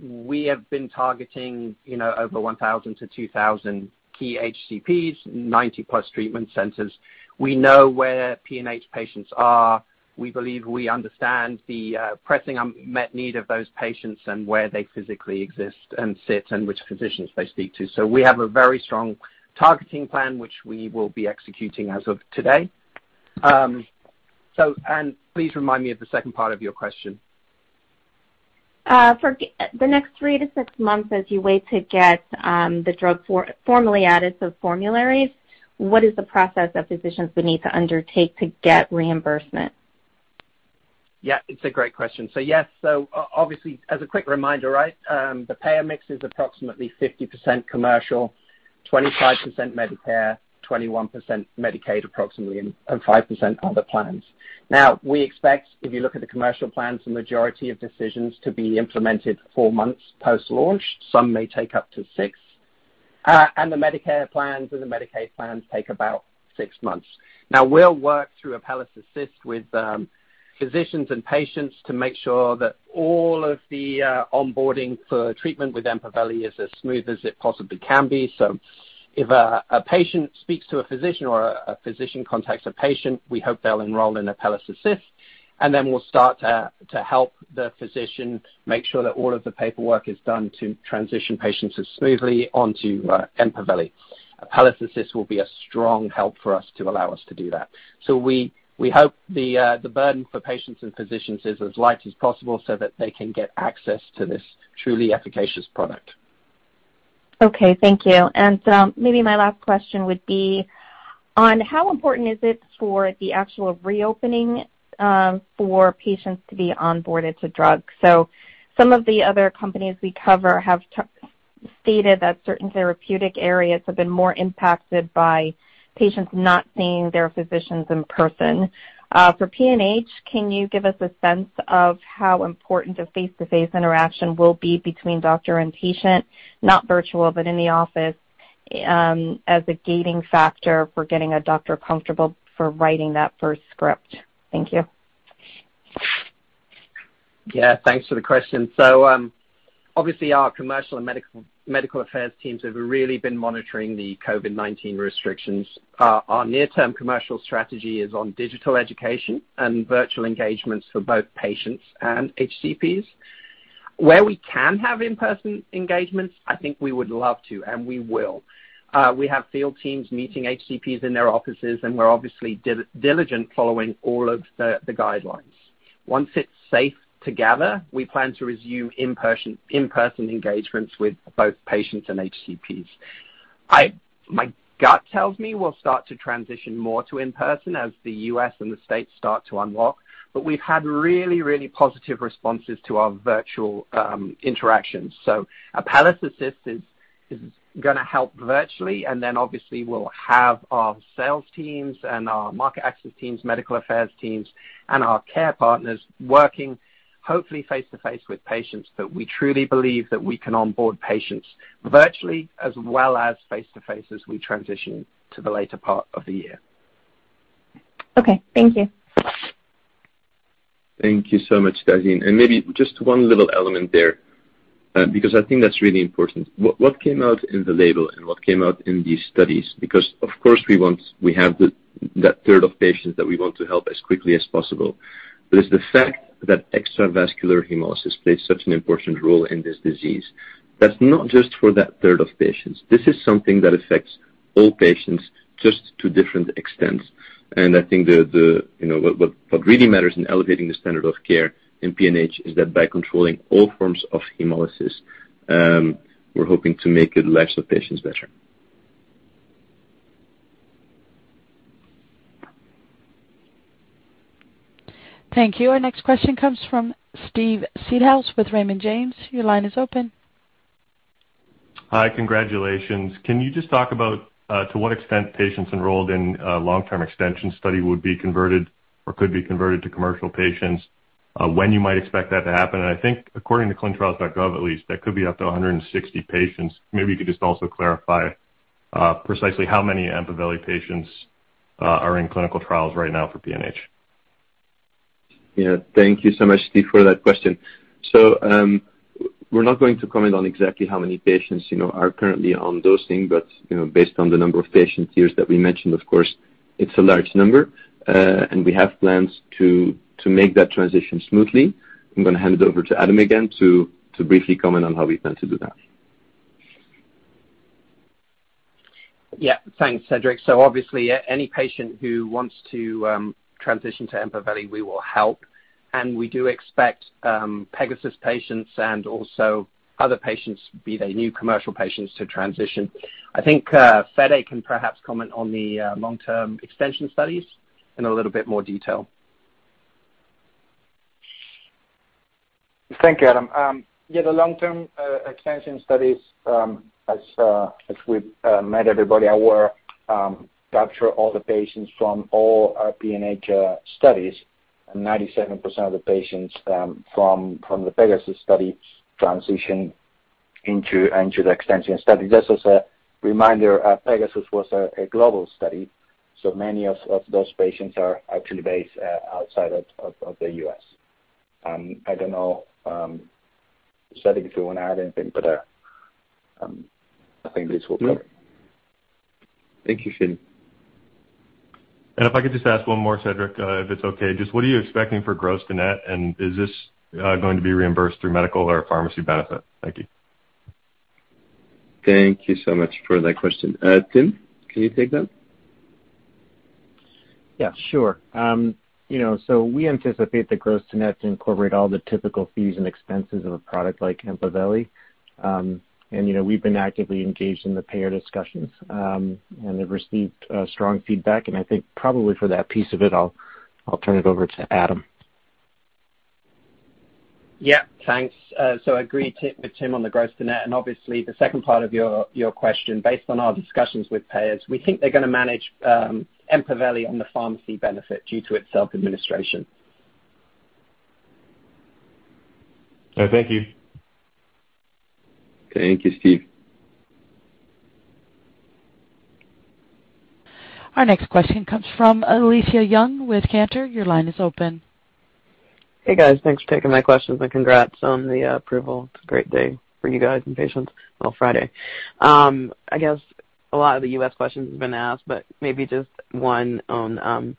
We have been targeting over 1,000-2,000 key HCPs, 90 plus treatment centers. We know where PNH patients are. We believe we understand the pressing unmet need of those patients and where they physically exist and sit and which physicians they speak to. We have a very strong targeting plan, which we will be executing as of today. Please remind me of the second part of your question. For the next three to six months, as you wait to get the drug formally added to formularies, what is the process that physicians would need to undertake to get reimbursement? Yeah, it's a great question. Yes, so obviously, as a quick reminder, the payer mix is approximately 50% commercial, 25% Medicare, 21% Medicaid approximately, and 5% other plans. We expect, if you look at the commercial plans, the majority of decisions to be implemented four months post-launch. Some may take up to six. The Medicare plans and the Medicaid plans take about six months. We'll work through ApellisAssist with physicians and patients to make sure that all of the onboarding for treatment with EMPAVELI is as smooth as it possibly can be. If a patient speaks to a physician or a physician contacts a patient, we hope they'll enroll in ApellisAssist, and then we'll start to help the physician make sure that all of the paperwork is done to transition patients as smoothly onto EMPAVELI. ApellisAssist will be a strong help for us to allow us to do that. We hope the burden for patients and physicians is as light as possible so that they can get access to this truly efficacious product. Okay, thank you. Maybe my last question would be on how important is it for the actual reopening for patients to be onboarded to drug? Some of the other companies we cover have stated that certain therapeutic areas have been more impacted by patients not seeing their physicians in person. For PNH, can you give us a sense of how important the face-to-face interaction will be between doctor and patient, not virtual, but in the office, as a gating factor for getting a doctor comfortable for writing that first script? Thank you. Yeah, thanks for the question. Obviously our commercial and medical affairs teams have really been monitoring the COVID-19 restrictions. Our near-term commercial strategy is on digital education and virtual engagements for both patients and HCPs. Where we can have in-person engagements, I think we would love to, and we will. We have field teams meeting HCPs in their offices, and we're obviously diligent following all of the guidelines. Once it's safe to gather, we plan to resume in-person engagements with both patients and HCPs. My gut tells me we'll start to transition more to in-person as the U.S. and the states start to unlock, but we've had really, really positive responses to our virtual interactions. ApellisAssist is going to help virtually, and then obviously we'll have our sales teams and our market access teams, medical affairs teams, and our care partners working hopefully face-to-face with patients that we truly believe that we can onboard patients virtually as well as face-to-face as we transition to the later part of the year. Okay. Thank you. Thank you so much, Tazeen Ahmad. Maybe just one little element there because I think that's really important. What came out in the label and what came out in these studies, because of course we have that third of patients that we want to help as quickly as possible. It's the fact that extravascular hemolysis plays such an important role in this disease. That's not just for that third of patients. This is something that affects all patients, just to different extents. I think what really matters in elevating the standard of care in PNH is that by controlling all forms of hemolysis, we're hoping to make the lives of patients better. Thank you. Our next question comes from Steve Seedhouse with Raymond James. Your line is open. Hi. Congratulations. Can you just talk about to what extent patients enrolled in a long-term extension study would be converted or could be converted to commercial patients, when you might expect that to happen? I think according to clinicaltrials.gov, at least, that could be up to 160 patients. Maybe you could just also clarify precisely how many EMPAVELI patients are in clinical trials right now for PNH. Yeah. Thank you so much, Steve, for that question. We're not going to comment on exactly how many patients are currently on dosing. Based on the number of patient years that we mentioned, of course, it's a large number. We have plans to make that transition smoothly. I'm going to hand it over to Adam again to briefly comment on how we plan to do that. Thanks, Cedric. Obviously, any patient who wants to transition to EMPAVELI, we will help. We do expect PEGASUS patients and also other patients, be they new commercial patients, to transition. I think Federico can perhaps comment on the long-term extension studies in a little bit more detail. Thank you, Adam. Yeah, the long-term extension studies as we've made everybody aware, capture all the patients from all our PNH studies, and 97% of the patients from the PEGASUS study transition into the extension study. Just as a reminder, PEGASUS was a global study, so many of those patients are actually based outside of the U.S. Adam, I don't know Cedric if you want to add anything to that? I think this will do. No. Thank you, Steve. If I could just ask one more, Cedric, if it's okay. Just what are you expecting for gross-to-net? Is this going to be reimbursed through medical or pharmacy benefit? Thank you. Thank you so much for that question. Tim, can you take that? Yeah, sure. We anticipate the gross-to-net to incorporate all the typical fees and expenses of a product like EMPAVELI. We've been actively engaged in the payer discussions, and they've received strong feedback. I think probably for that piece of it, I'll turn it over to Adam. Yeah, thanks. Agree with Tim on the gross-to-net. Obviously the second part of your question, based on our discussions with payers, we think they're going to manage EMPAVELI on the pharmacy benefit due to its self-administration. Thank you. Thank you, Steve. Our next question comes from Alethia Young with Cantor Fitzgerald. Your line is open. Hey, guys. Thanks for taking my questions and congrats on the approval. It's a great day for you guys and patients on Friday. I guess a lot of the U.S. questions have been asked, but maybe just one on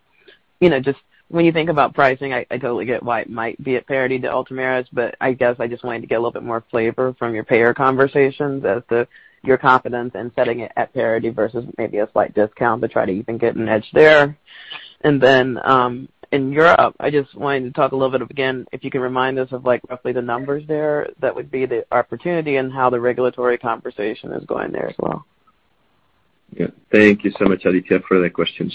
just when you think about pricing, I totally get why it might be at parity to Ultomiris, but I guess I just wanted to get a little bit more flavor from your payer conversations as to your confidence in setting it at parity versus maybe a slight discount to try to even get an edge there. In Europe, I just wanted to talk a little bit again, if you can remind us of roughly the numbers there, that would be the opportunity and how the regulatory conversation is going there as well. Thank you so much, Alethia, for that question.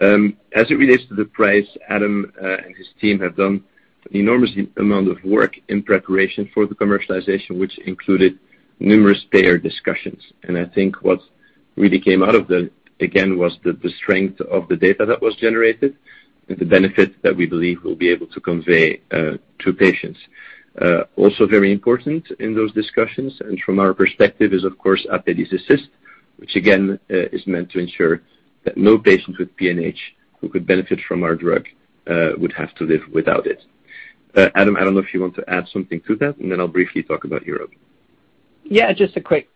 As it relates to the price, Adam and his team have done an enormous amount of work in preparation for the commercialization, which included numerous payer discussions. I think what really came out of them, again, was the strength of the data that was generated and the benefit that we believe we'll be able to convey to patients. Also very important in those discussions and from our perspective is, of course, ApellisAssist, which again, is meant to ensure that no patient with PNH who could benefit from our drug would have to live without it. Adam, I don't know if you want to add something to that, and then I'll briefly talk about Europe. Yeah, just a quick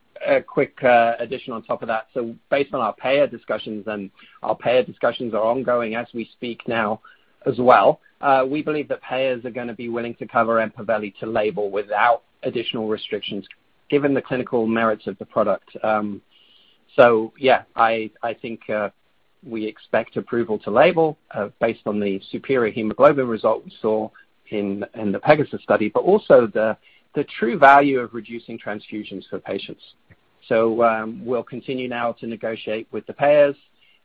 addition on top of that. Based on our payer discussions, and our payer discussions are ongoing as we speak now as well. We believe that payers are going to be willing to cover EMPAVELI to label without additional restrictions, given the clinical merits of the product. Yeah, I think we expect approval to label based on the superior hemoglobin results we saw in the PEGASUS study, but also the true value of reducing transfusions for patients. We'll continue now to negotiate with the payers,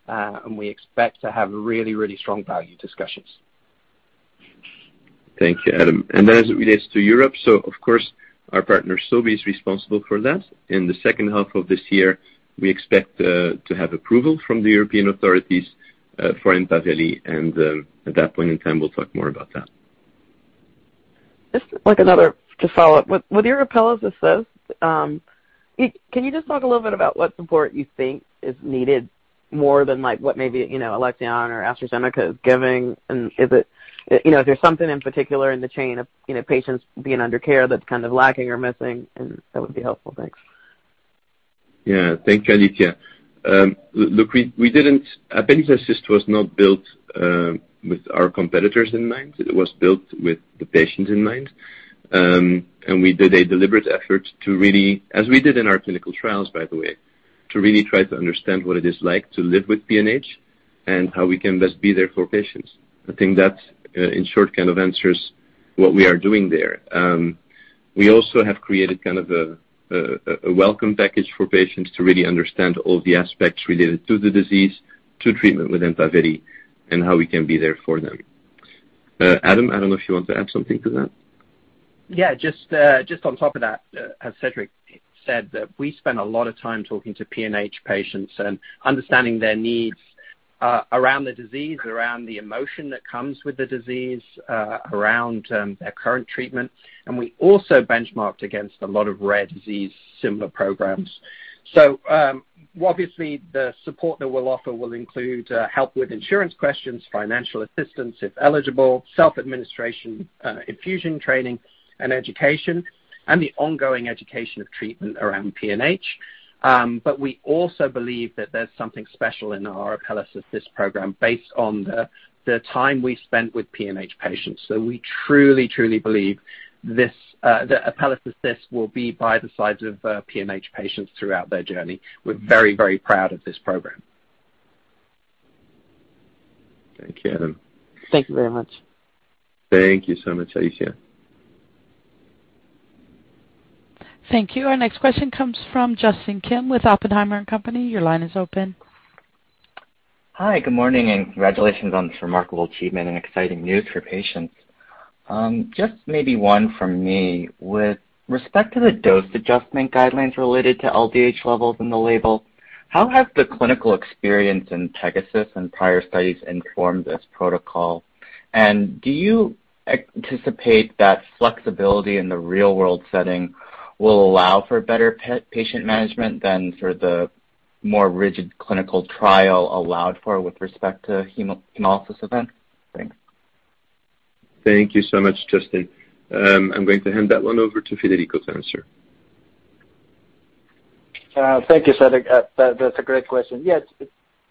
and we expect to have really, really strong value discussions. Thank you, Adam. As it relates to Europe, of course our partner, Sobi, is responsible for that. In the second half of this year, we expect to have approval from the European authorities for EMPAVELI. At that point in time, we'll talk more about that. Just another to follow up with your ApellisAssist. Can you just talk a little bit about what support you think is needed more than what maybe Alexion or AstraZeneca is giving? Is there something in particular in the chain of patients being under care that's kind of lacking or missing? That would be helpful. Thanks. Yeah. Thank you, Alethia Young. Look, I think ApellisAssist was not built with our competitors in mind. It was built with the patient in mind. We did a deliberate effort to really, as we did in our clinical trials, by the way, to really try to understand what it is like to live with PNH and how we can best be there for patients. I think that, in short, kind of answers what we are doing there. We also have created a welcome package for patients to really understand all the aspects related to the disease, to treatment with EMPAVELI, and how we can be there for them. Adam Townsend, I don't know if you want to add something to that. Yeah, just on top of that, as Cedric said, that we spent a lot of time talking to PNH patients and understanding their needs around the disease, around the emotion that comes with the disease, around their current treatment. We also benchmarked against a lot of rare disease similar programs. Obviously the support that we'll offer will include help with insurance questions, financial assistance if eligible, self-administration infusion training and education, and the ongoing education of treatment around PNH. We also believe that there's something special in our ApellisAssist program based on the time we spent with PNH patients. We truly believe this, that ApellisAssist will be by the sides of PNH patients throughout their journey. We're very proud of this program. Thank you, Adam. Thank you very much. Thank you so much, Alethia. Thank you. Our next question comes from Justin Kim with Oppenheimer & Co. Your line is open. Hi, good morning, and congratulations on this remarkable achievement and exciting news for patients. Just maybe one from me. With respect to the dose adjustment guidelines related to LDH levels in the label, how has the clinical experience in PEGASUS and prior studies informed this protocol? Do you anticipate that flexibility in the real-world setting will allow for better patient management than sort of the more rigid clinical trial allowed for with respect to hemolysis event? Thanks. Thank you so much, Justin. I'm going to hand that one over to Federico to answer. Thank you, Cedric. That's a great question. Yes.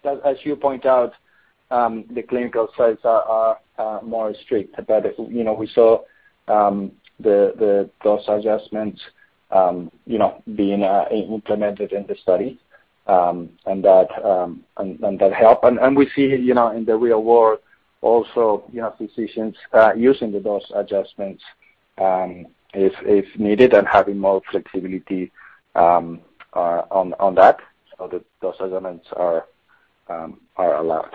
As you point out, the clinical sites are more strict about it. We saw the dose adjustments being implemented in the study, and that helped. We see in the real world also physicians using the dose adjustments if needed and having more flexibility on that. The dose adjustments are allowed.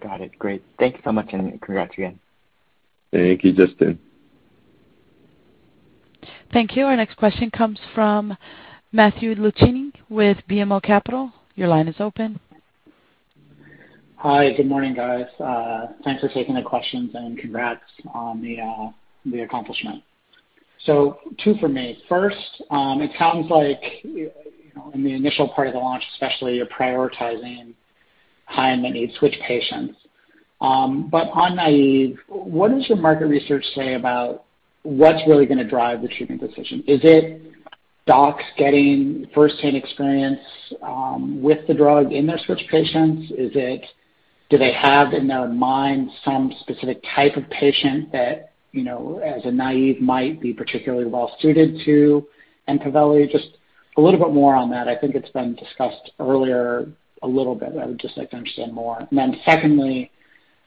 Got it. Great. Thanks so much, and congrats again. Thank you, Justin. Thank you. Our next question comes from Matthew Luchini with BMO Capital. Your line is open. Hi. Good morning, guys. Thanks for taking the questions, and congrats on the accomplishment. Two for me. First, it sounds like in the initial part of the launch especially, you're prioritizing high-unmet switch patients. On naïve, what does your market research say about what's really going to drive the treatment decision? Is it docs getting first-hand experience with the drug in their switch patients? Is it do they have in their mind some specific type of patient that, as a naïve might be particularly well suited to? Probably just a little bit more on that. I think it's been discussed earlier a little bit. I would just like to understand more. Then secondly,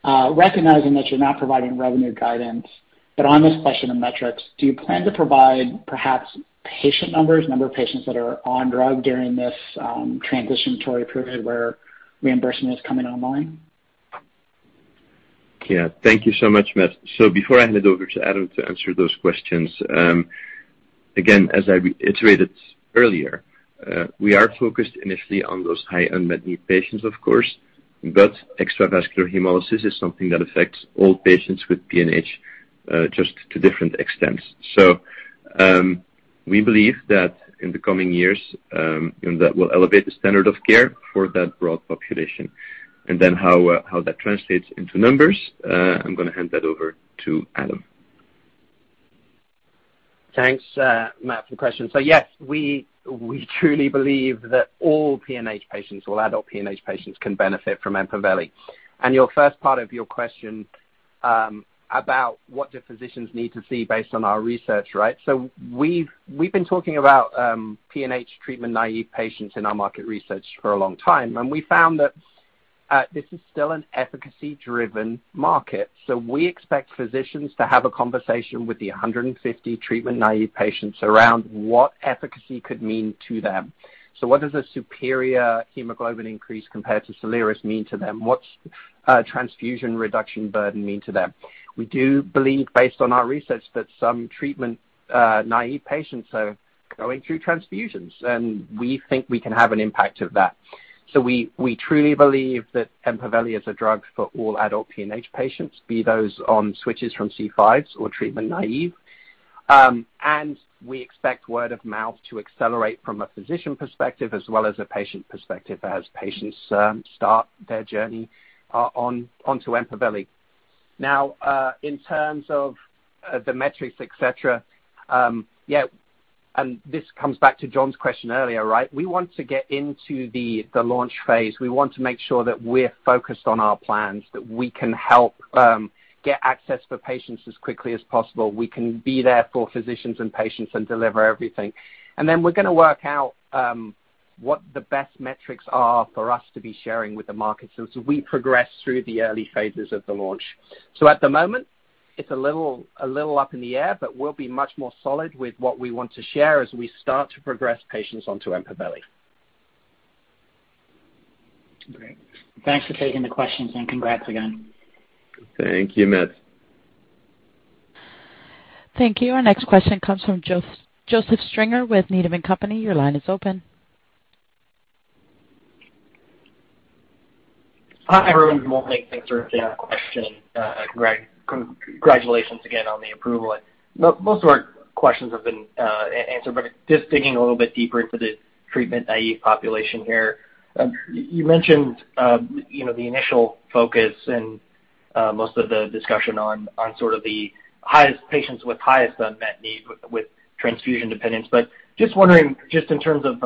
recognizing that you're not providing revenue guidance, but on this question of metrics, do you plan to provide perhaps patient numbers, number of patients that are on drug during this transitory period where reimbursement is coming online? Yeah. Thank you so much, Matt. Before I hand it over to Adam to answer those questions, again, as I reiterated earlier, we are focused initially on those high unmet need patients, of course, but extravascular hemolysis is something that affects all patients with PNH, just to different extents. We believe that in the coming years, that will elevate the standard of care for that broad population. How that translates into numbers, I'm going to hand that over to Adam. Thanks, Matt, for the question. Yes, we truly believe that all PNH patients or adult PNH patients can benefit from EMPAVELI. Your first part of your question about what do physicians need to see based on our research, right? We've been talking about PNH treatment-naive patients in our market research for a long time. We found that this is still an efficacy-driven market. We expect physicians to have a conversation with the 150 treatment-naive patients around what efficacy could mean to them. What does a superior hemoglobin increase compared to SOLIRIS mean to them? What's transfusion reduction burden mean to them? We do believe based on our research that some treatment-naive patients are going through transfusions, and we think we can have an impact of that. We truly believe that EMPAVELI is a drug for all adult PNH patients, be those on switches from C5s or treatment naive. We expect word of mouth to accelerate from a physician perspective as well as a patient perspective as patients start their journey onto EMPAVELI. In terms of the metrics, etc, and this comes back to John's question earlier. We want to get into the launch phase. We want to make sure that we're focused on our plans, that we can help get access for patients as quickly as possible. We can be there for physicians and patients and deliver everything. Then we're going to work out what the best metrics are for us to be sharing with the market as we progress through the early phases of the launch. At the moment, it's a little up in the air, but we'll be much more solid with what we want to share as we start to progress patients onto EMPAVELI. Great. Thanks for taking the questions, and congrats again. Thank you, Matt. Thank you. Our next question comes from Joseph Stringer with Needham & Company. Your line is open. Hi, everyone. Well, thanks for taking our question, great. Congratulations again on the approval. Most of our questions have been answered, but just digging a little bit deeper into the treatment-naive population here. You mentioned the initial focus and most of the discussion on sort of the highest patients with highest unmet need with transfusion dependence. Just wondering, just in terms of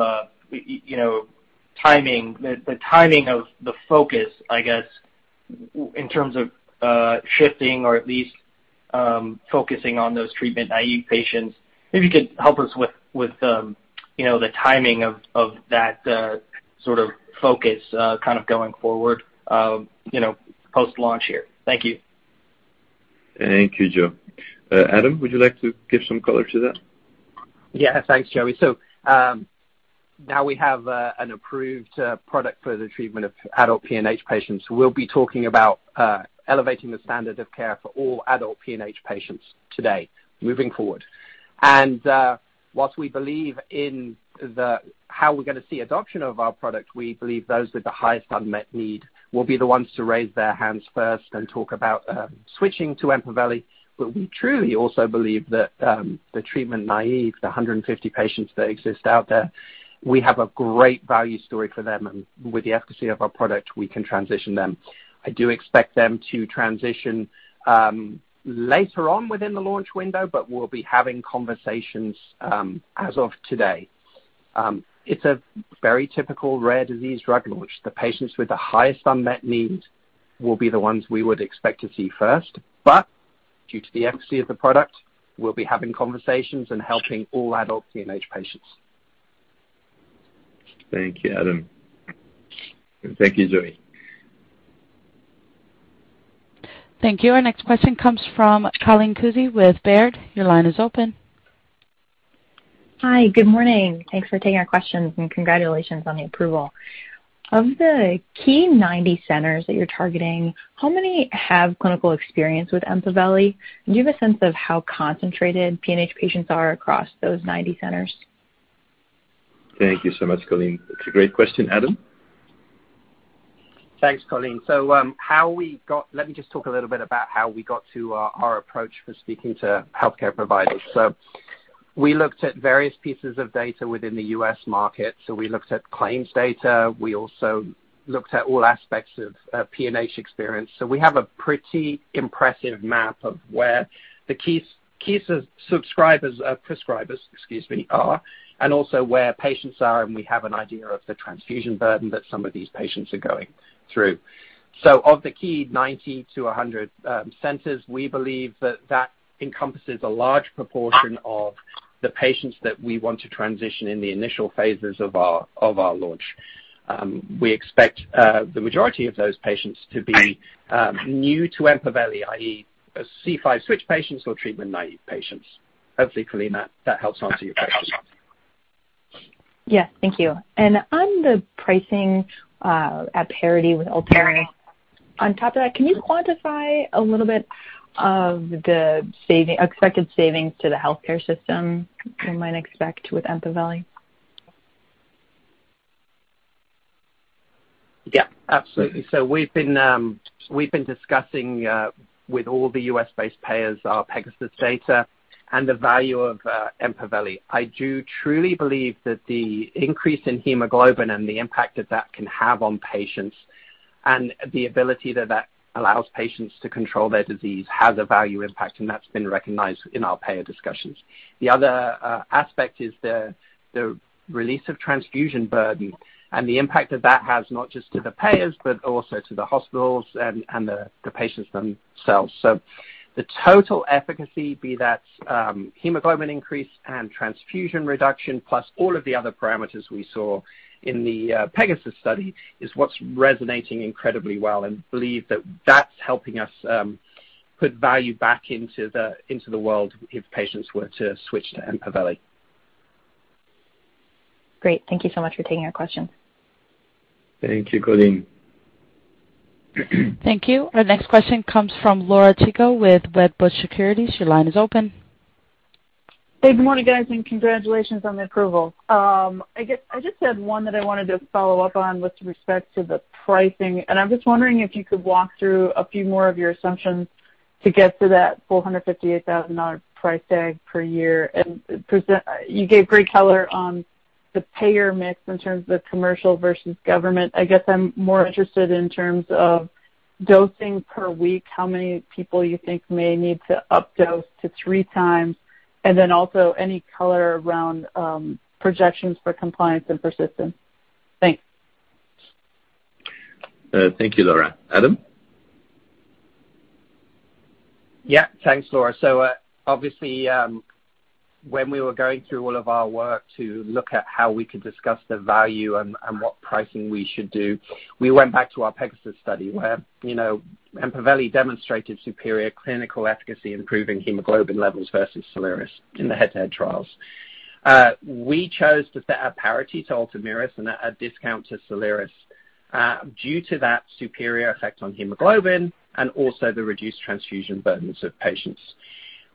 the timing of the focus, I guess, in terms of shifting or at least focusing on those treatment-naive patients, maybe you could help us with the timing of that sort of focus going forward post-launch here. Thank you. Thank you, Joe. Adam, would you like to give some color to that? Yeah. Thanks, Joe. Now we have an approved product for the treatment of adult PNH patients. We'll be talking about elevating the standard of care for all adult PNH patients today moving forward. Whilst we believe in how we're going to see adoption of our product, we believe those with the highest unmet need will be the ones to raise their hands first and talk about switching to EMPAVELI. We truly also believe that the treatment-naives, the 150 patients that exist out there, we have a great value story for them, and with the efficacy of our product, we can transition them. I do expect them to transition later on within the launch window, but we'll be having conversations as of today. It's a very typical rare disease drug in which the patients with the highest unmet need will be the ones we would expect to see first. Due to the efficacy of the product, we'll be having conversations and helping all adult PNH patients. Thank you, Adam. Thank you, Joe. Thank you. Our next question comes from Colleen Kusy with Baird. Your line is open. Hi. Good morning. Thanks for taking our questions. Congratulations on the approval. Of the key 90 centers that you're targeting, how many have clinical experience with EMPAVELI? Do you have a sense of how concentrated PNH patients are across those 90 centers? Thank you so much, Colleen. That's a great question. Adam? Thanks, Colleen. Let me just talk a little bit about how we got to our approach for speaking to healthcare providers. We looked at various pieces of data within the U.S. market. We also looked at all aspects of PNH experience. We have a pretty impressive map of where the key prescribers are, and also where patients are, and we have an idea of the transfusion burden that some of these patients are going through. Of the key 90-100 centers, we believe that encompasses a large proportion of the patients that we want to transition in the initial phases of our launch. We expect the majority of those patients to be new to EMPAVELI, i.e., C5 switch patients or treatment-naive patients. Hopefully, Colleen, that helps answer your question. Yeah. Thank you. On the pricing at parity with Ultomiris, on top of that, can you quantify a little bit of the expected savings to the healthcare system we might expect with EMPAVELI? Yeah, absolutely. We've been discussing with all the U.S.-based payers our PEGASUS data and the value of EMPAVELI. I do truly believe that the increase in hemoglobin and the impact that can have on patients and the ability that allows patients to control their disease has a value impact, and that's been recognized in our payer discussions. The other aspect is the release of transfusion burden and the impact of that has not just to the payers, but also to the hospitals and the patients themselves. The total efficacy, be that hemoglobin increase and transfusion reduction, plus all of the other parameters we saw in the PEGASUS study, is what's resonating incredibly well, and believe that that's helping us put value back into the world if patients were to switch to EMPAVELI. Great. Thank you so much for taking our question. Thank you, Colleen. Thank you. Our next question comes from Laura Chico with Wedbush Securities. Your line is open. Good morning, guys. Congratulations on the approval. I just had one that I wanted to follow up on with respect to the pricing. I'm just wondering if you could walk through a few more of your assumptions to get to that $458,000 price tag per year. You gave great color on the payer mix in terms of commercial versus government. I guess I'm more interested in terms of dosing per week, how many people you think may need to up dose to 3x, and then also any color around projections for compliance and persistence. Thanks. Thank you, Laura. Adam? Yeah. Thanks, Laura. Obviously, when we were going through all of our work to look at how we could discuss the value and what pricing we should do, we went back to our PEGASUS study where EMPAVELI demonstrated superior clinical efficacy improving hemoglobin levels versus SOLIRIS in the head-to-head trials. We chose to set our parity to Ultomiris and a discount to SOLIRIS due to that superior effect on hemoglobin and also the reduced transfusion burdens of patients.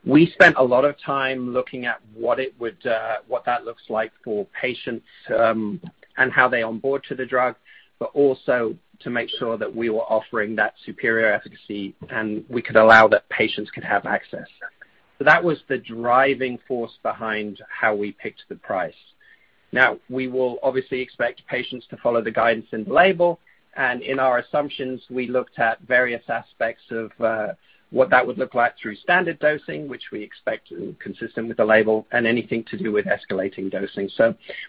We spent a lot of time looking at what that looks like for patients, and how they onboard to the drug, also to make sure that we were offering that superior efficacy, and we could allow that patients could have access. That was the driving force behind how we picked the price. We will obviously expect patients to follow the guidance in the label. In our assumptions, we looked at various aspects of what that would look like through standard dosing, which we expect is consistent with the label. Anything to do with escalating dosing.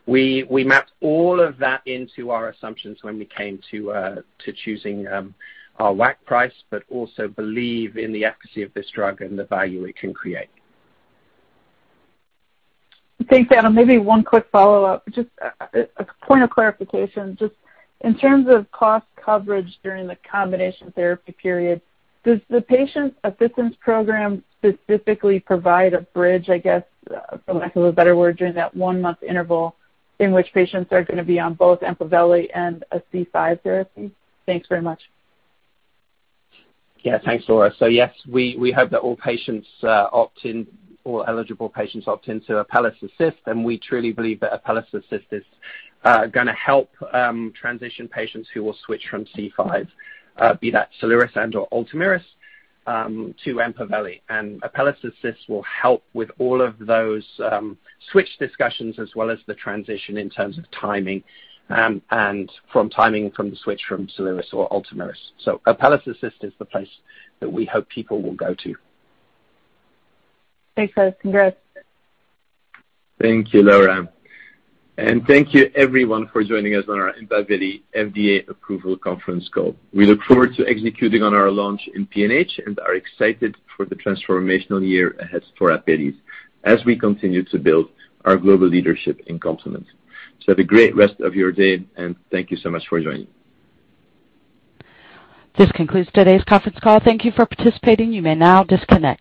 We mapped all of that into our assumptions when we came to choosing our WAC price. We also believe in the efficacy of this drug and the value it can create. Thanks, Adam. Maybe one quick follow-up, just a point of clarification. In terms of cost coverage during the combination therapy period, does the patient assistance program specifically provide a bridge, I guess, for lack of a better word, during that one-month interval in which patients are going to be on both EMPAVELI and a C5 therapy? Thanks very much. Yeah. Thanks, Laura. Yes, we hope that all eligible patients opt into ApellisAssist, and we truly believe that ApellisAssist is going to help transition patients who will switch from C5, be that SOLIRIS and/or Ultomiris, to EMPAVELI. ApellisAssist will help with all of those switch discussions as well as the transition in terms of timing from the switch from SOLIRIS or Ultomiris. ApellisAssist is the place that we hope people will go to. Thanks, guys. Congrats. Thank you, Laura. Thank you everyone for joining us on our EMPAVELI FDA approval conference call. We look forward to executing on our launch in PNH and are excited for the transformational year ahead for Apellis as we continue to build our global leadership in complement. Have a great rest of your day, and thank you so much for joining. This concludes today's conference call. Thank you for participating. You may now disconnect.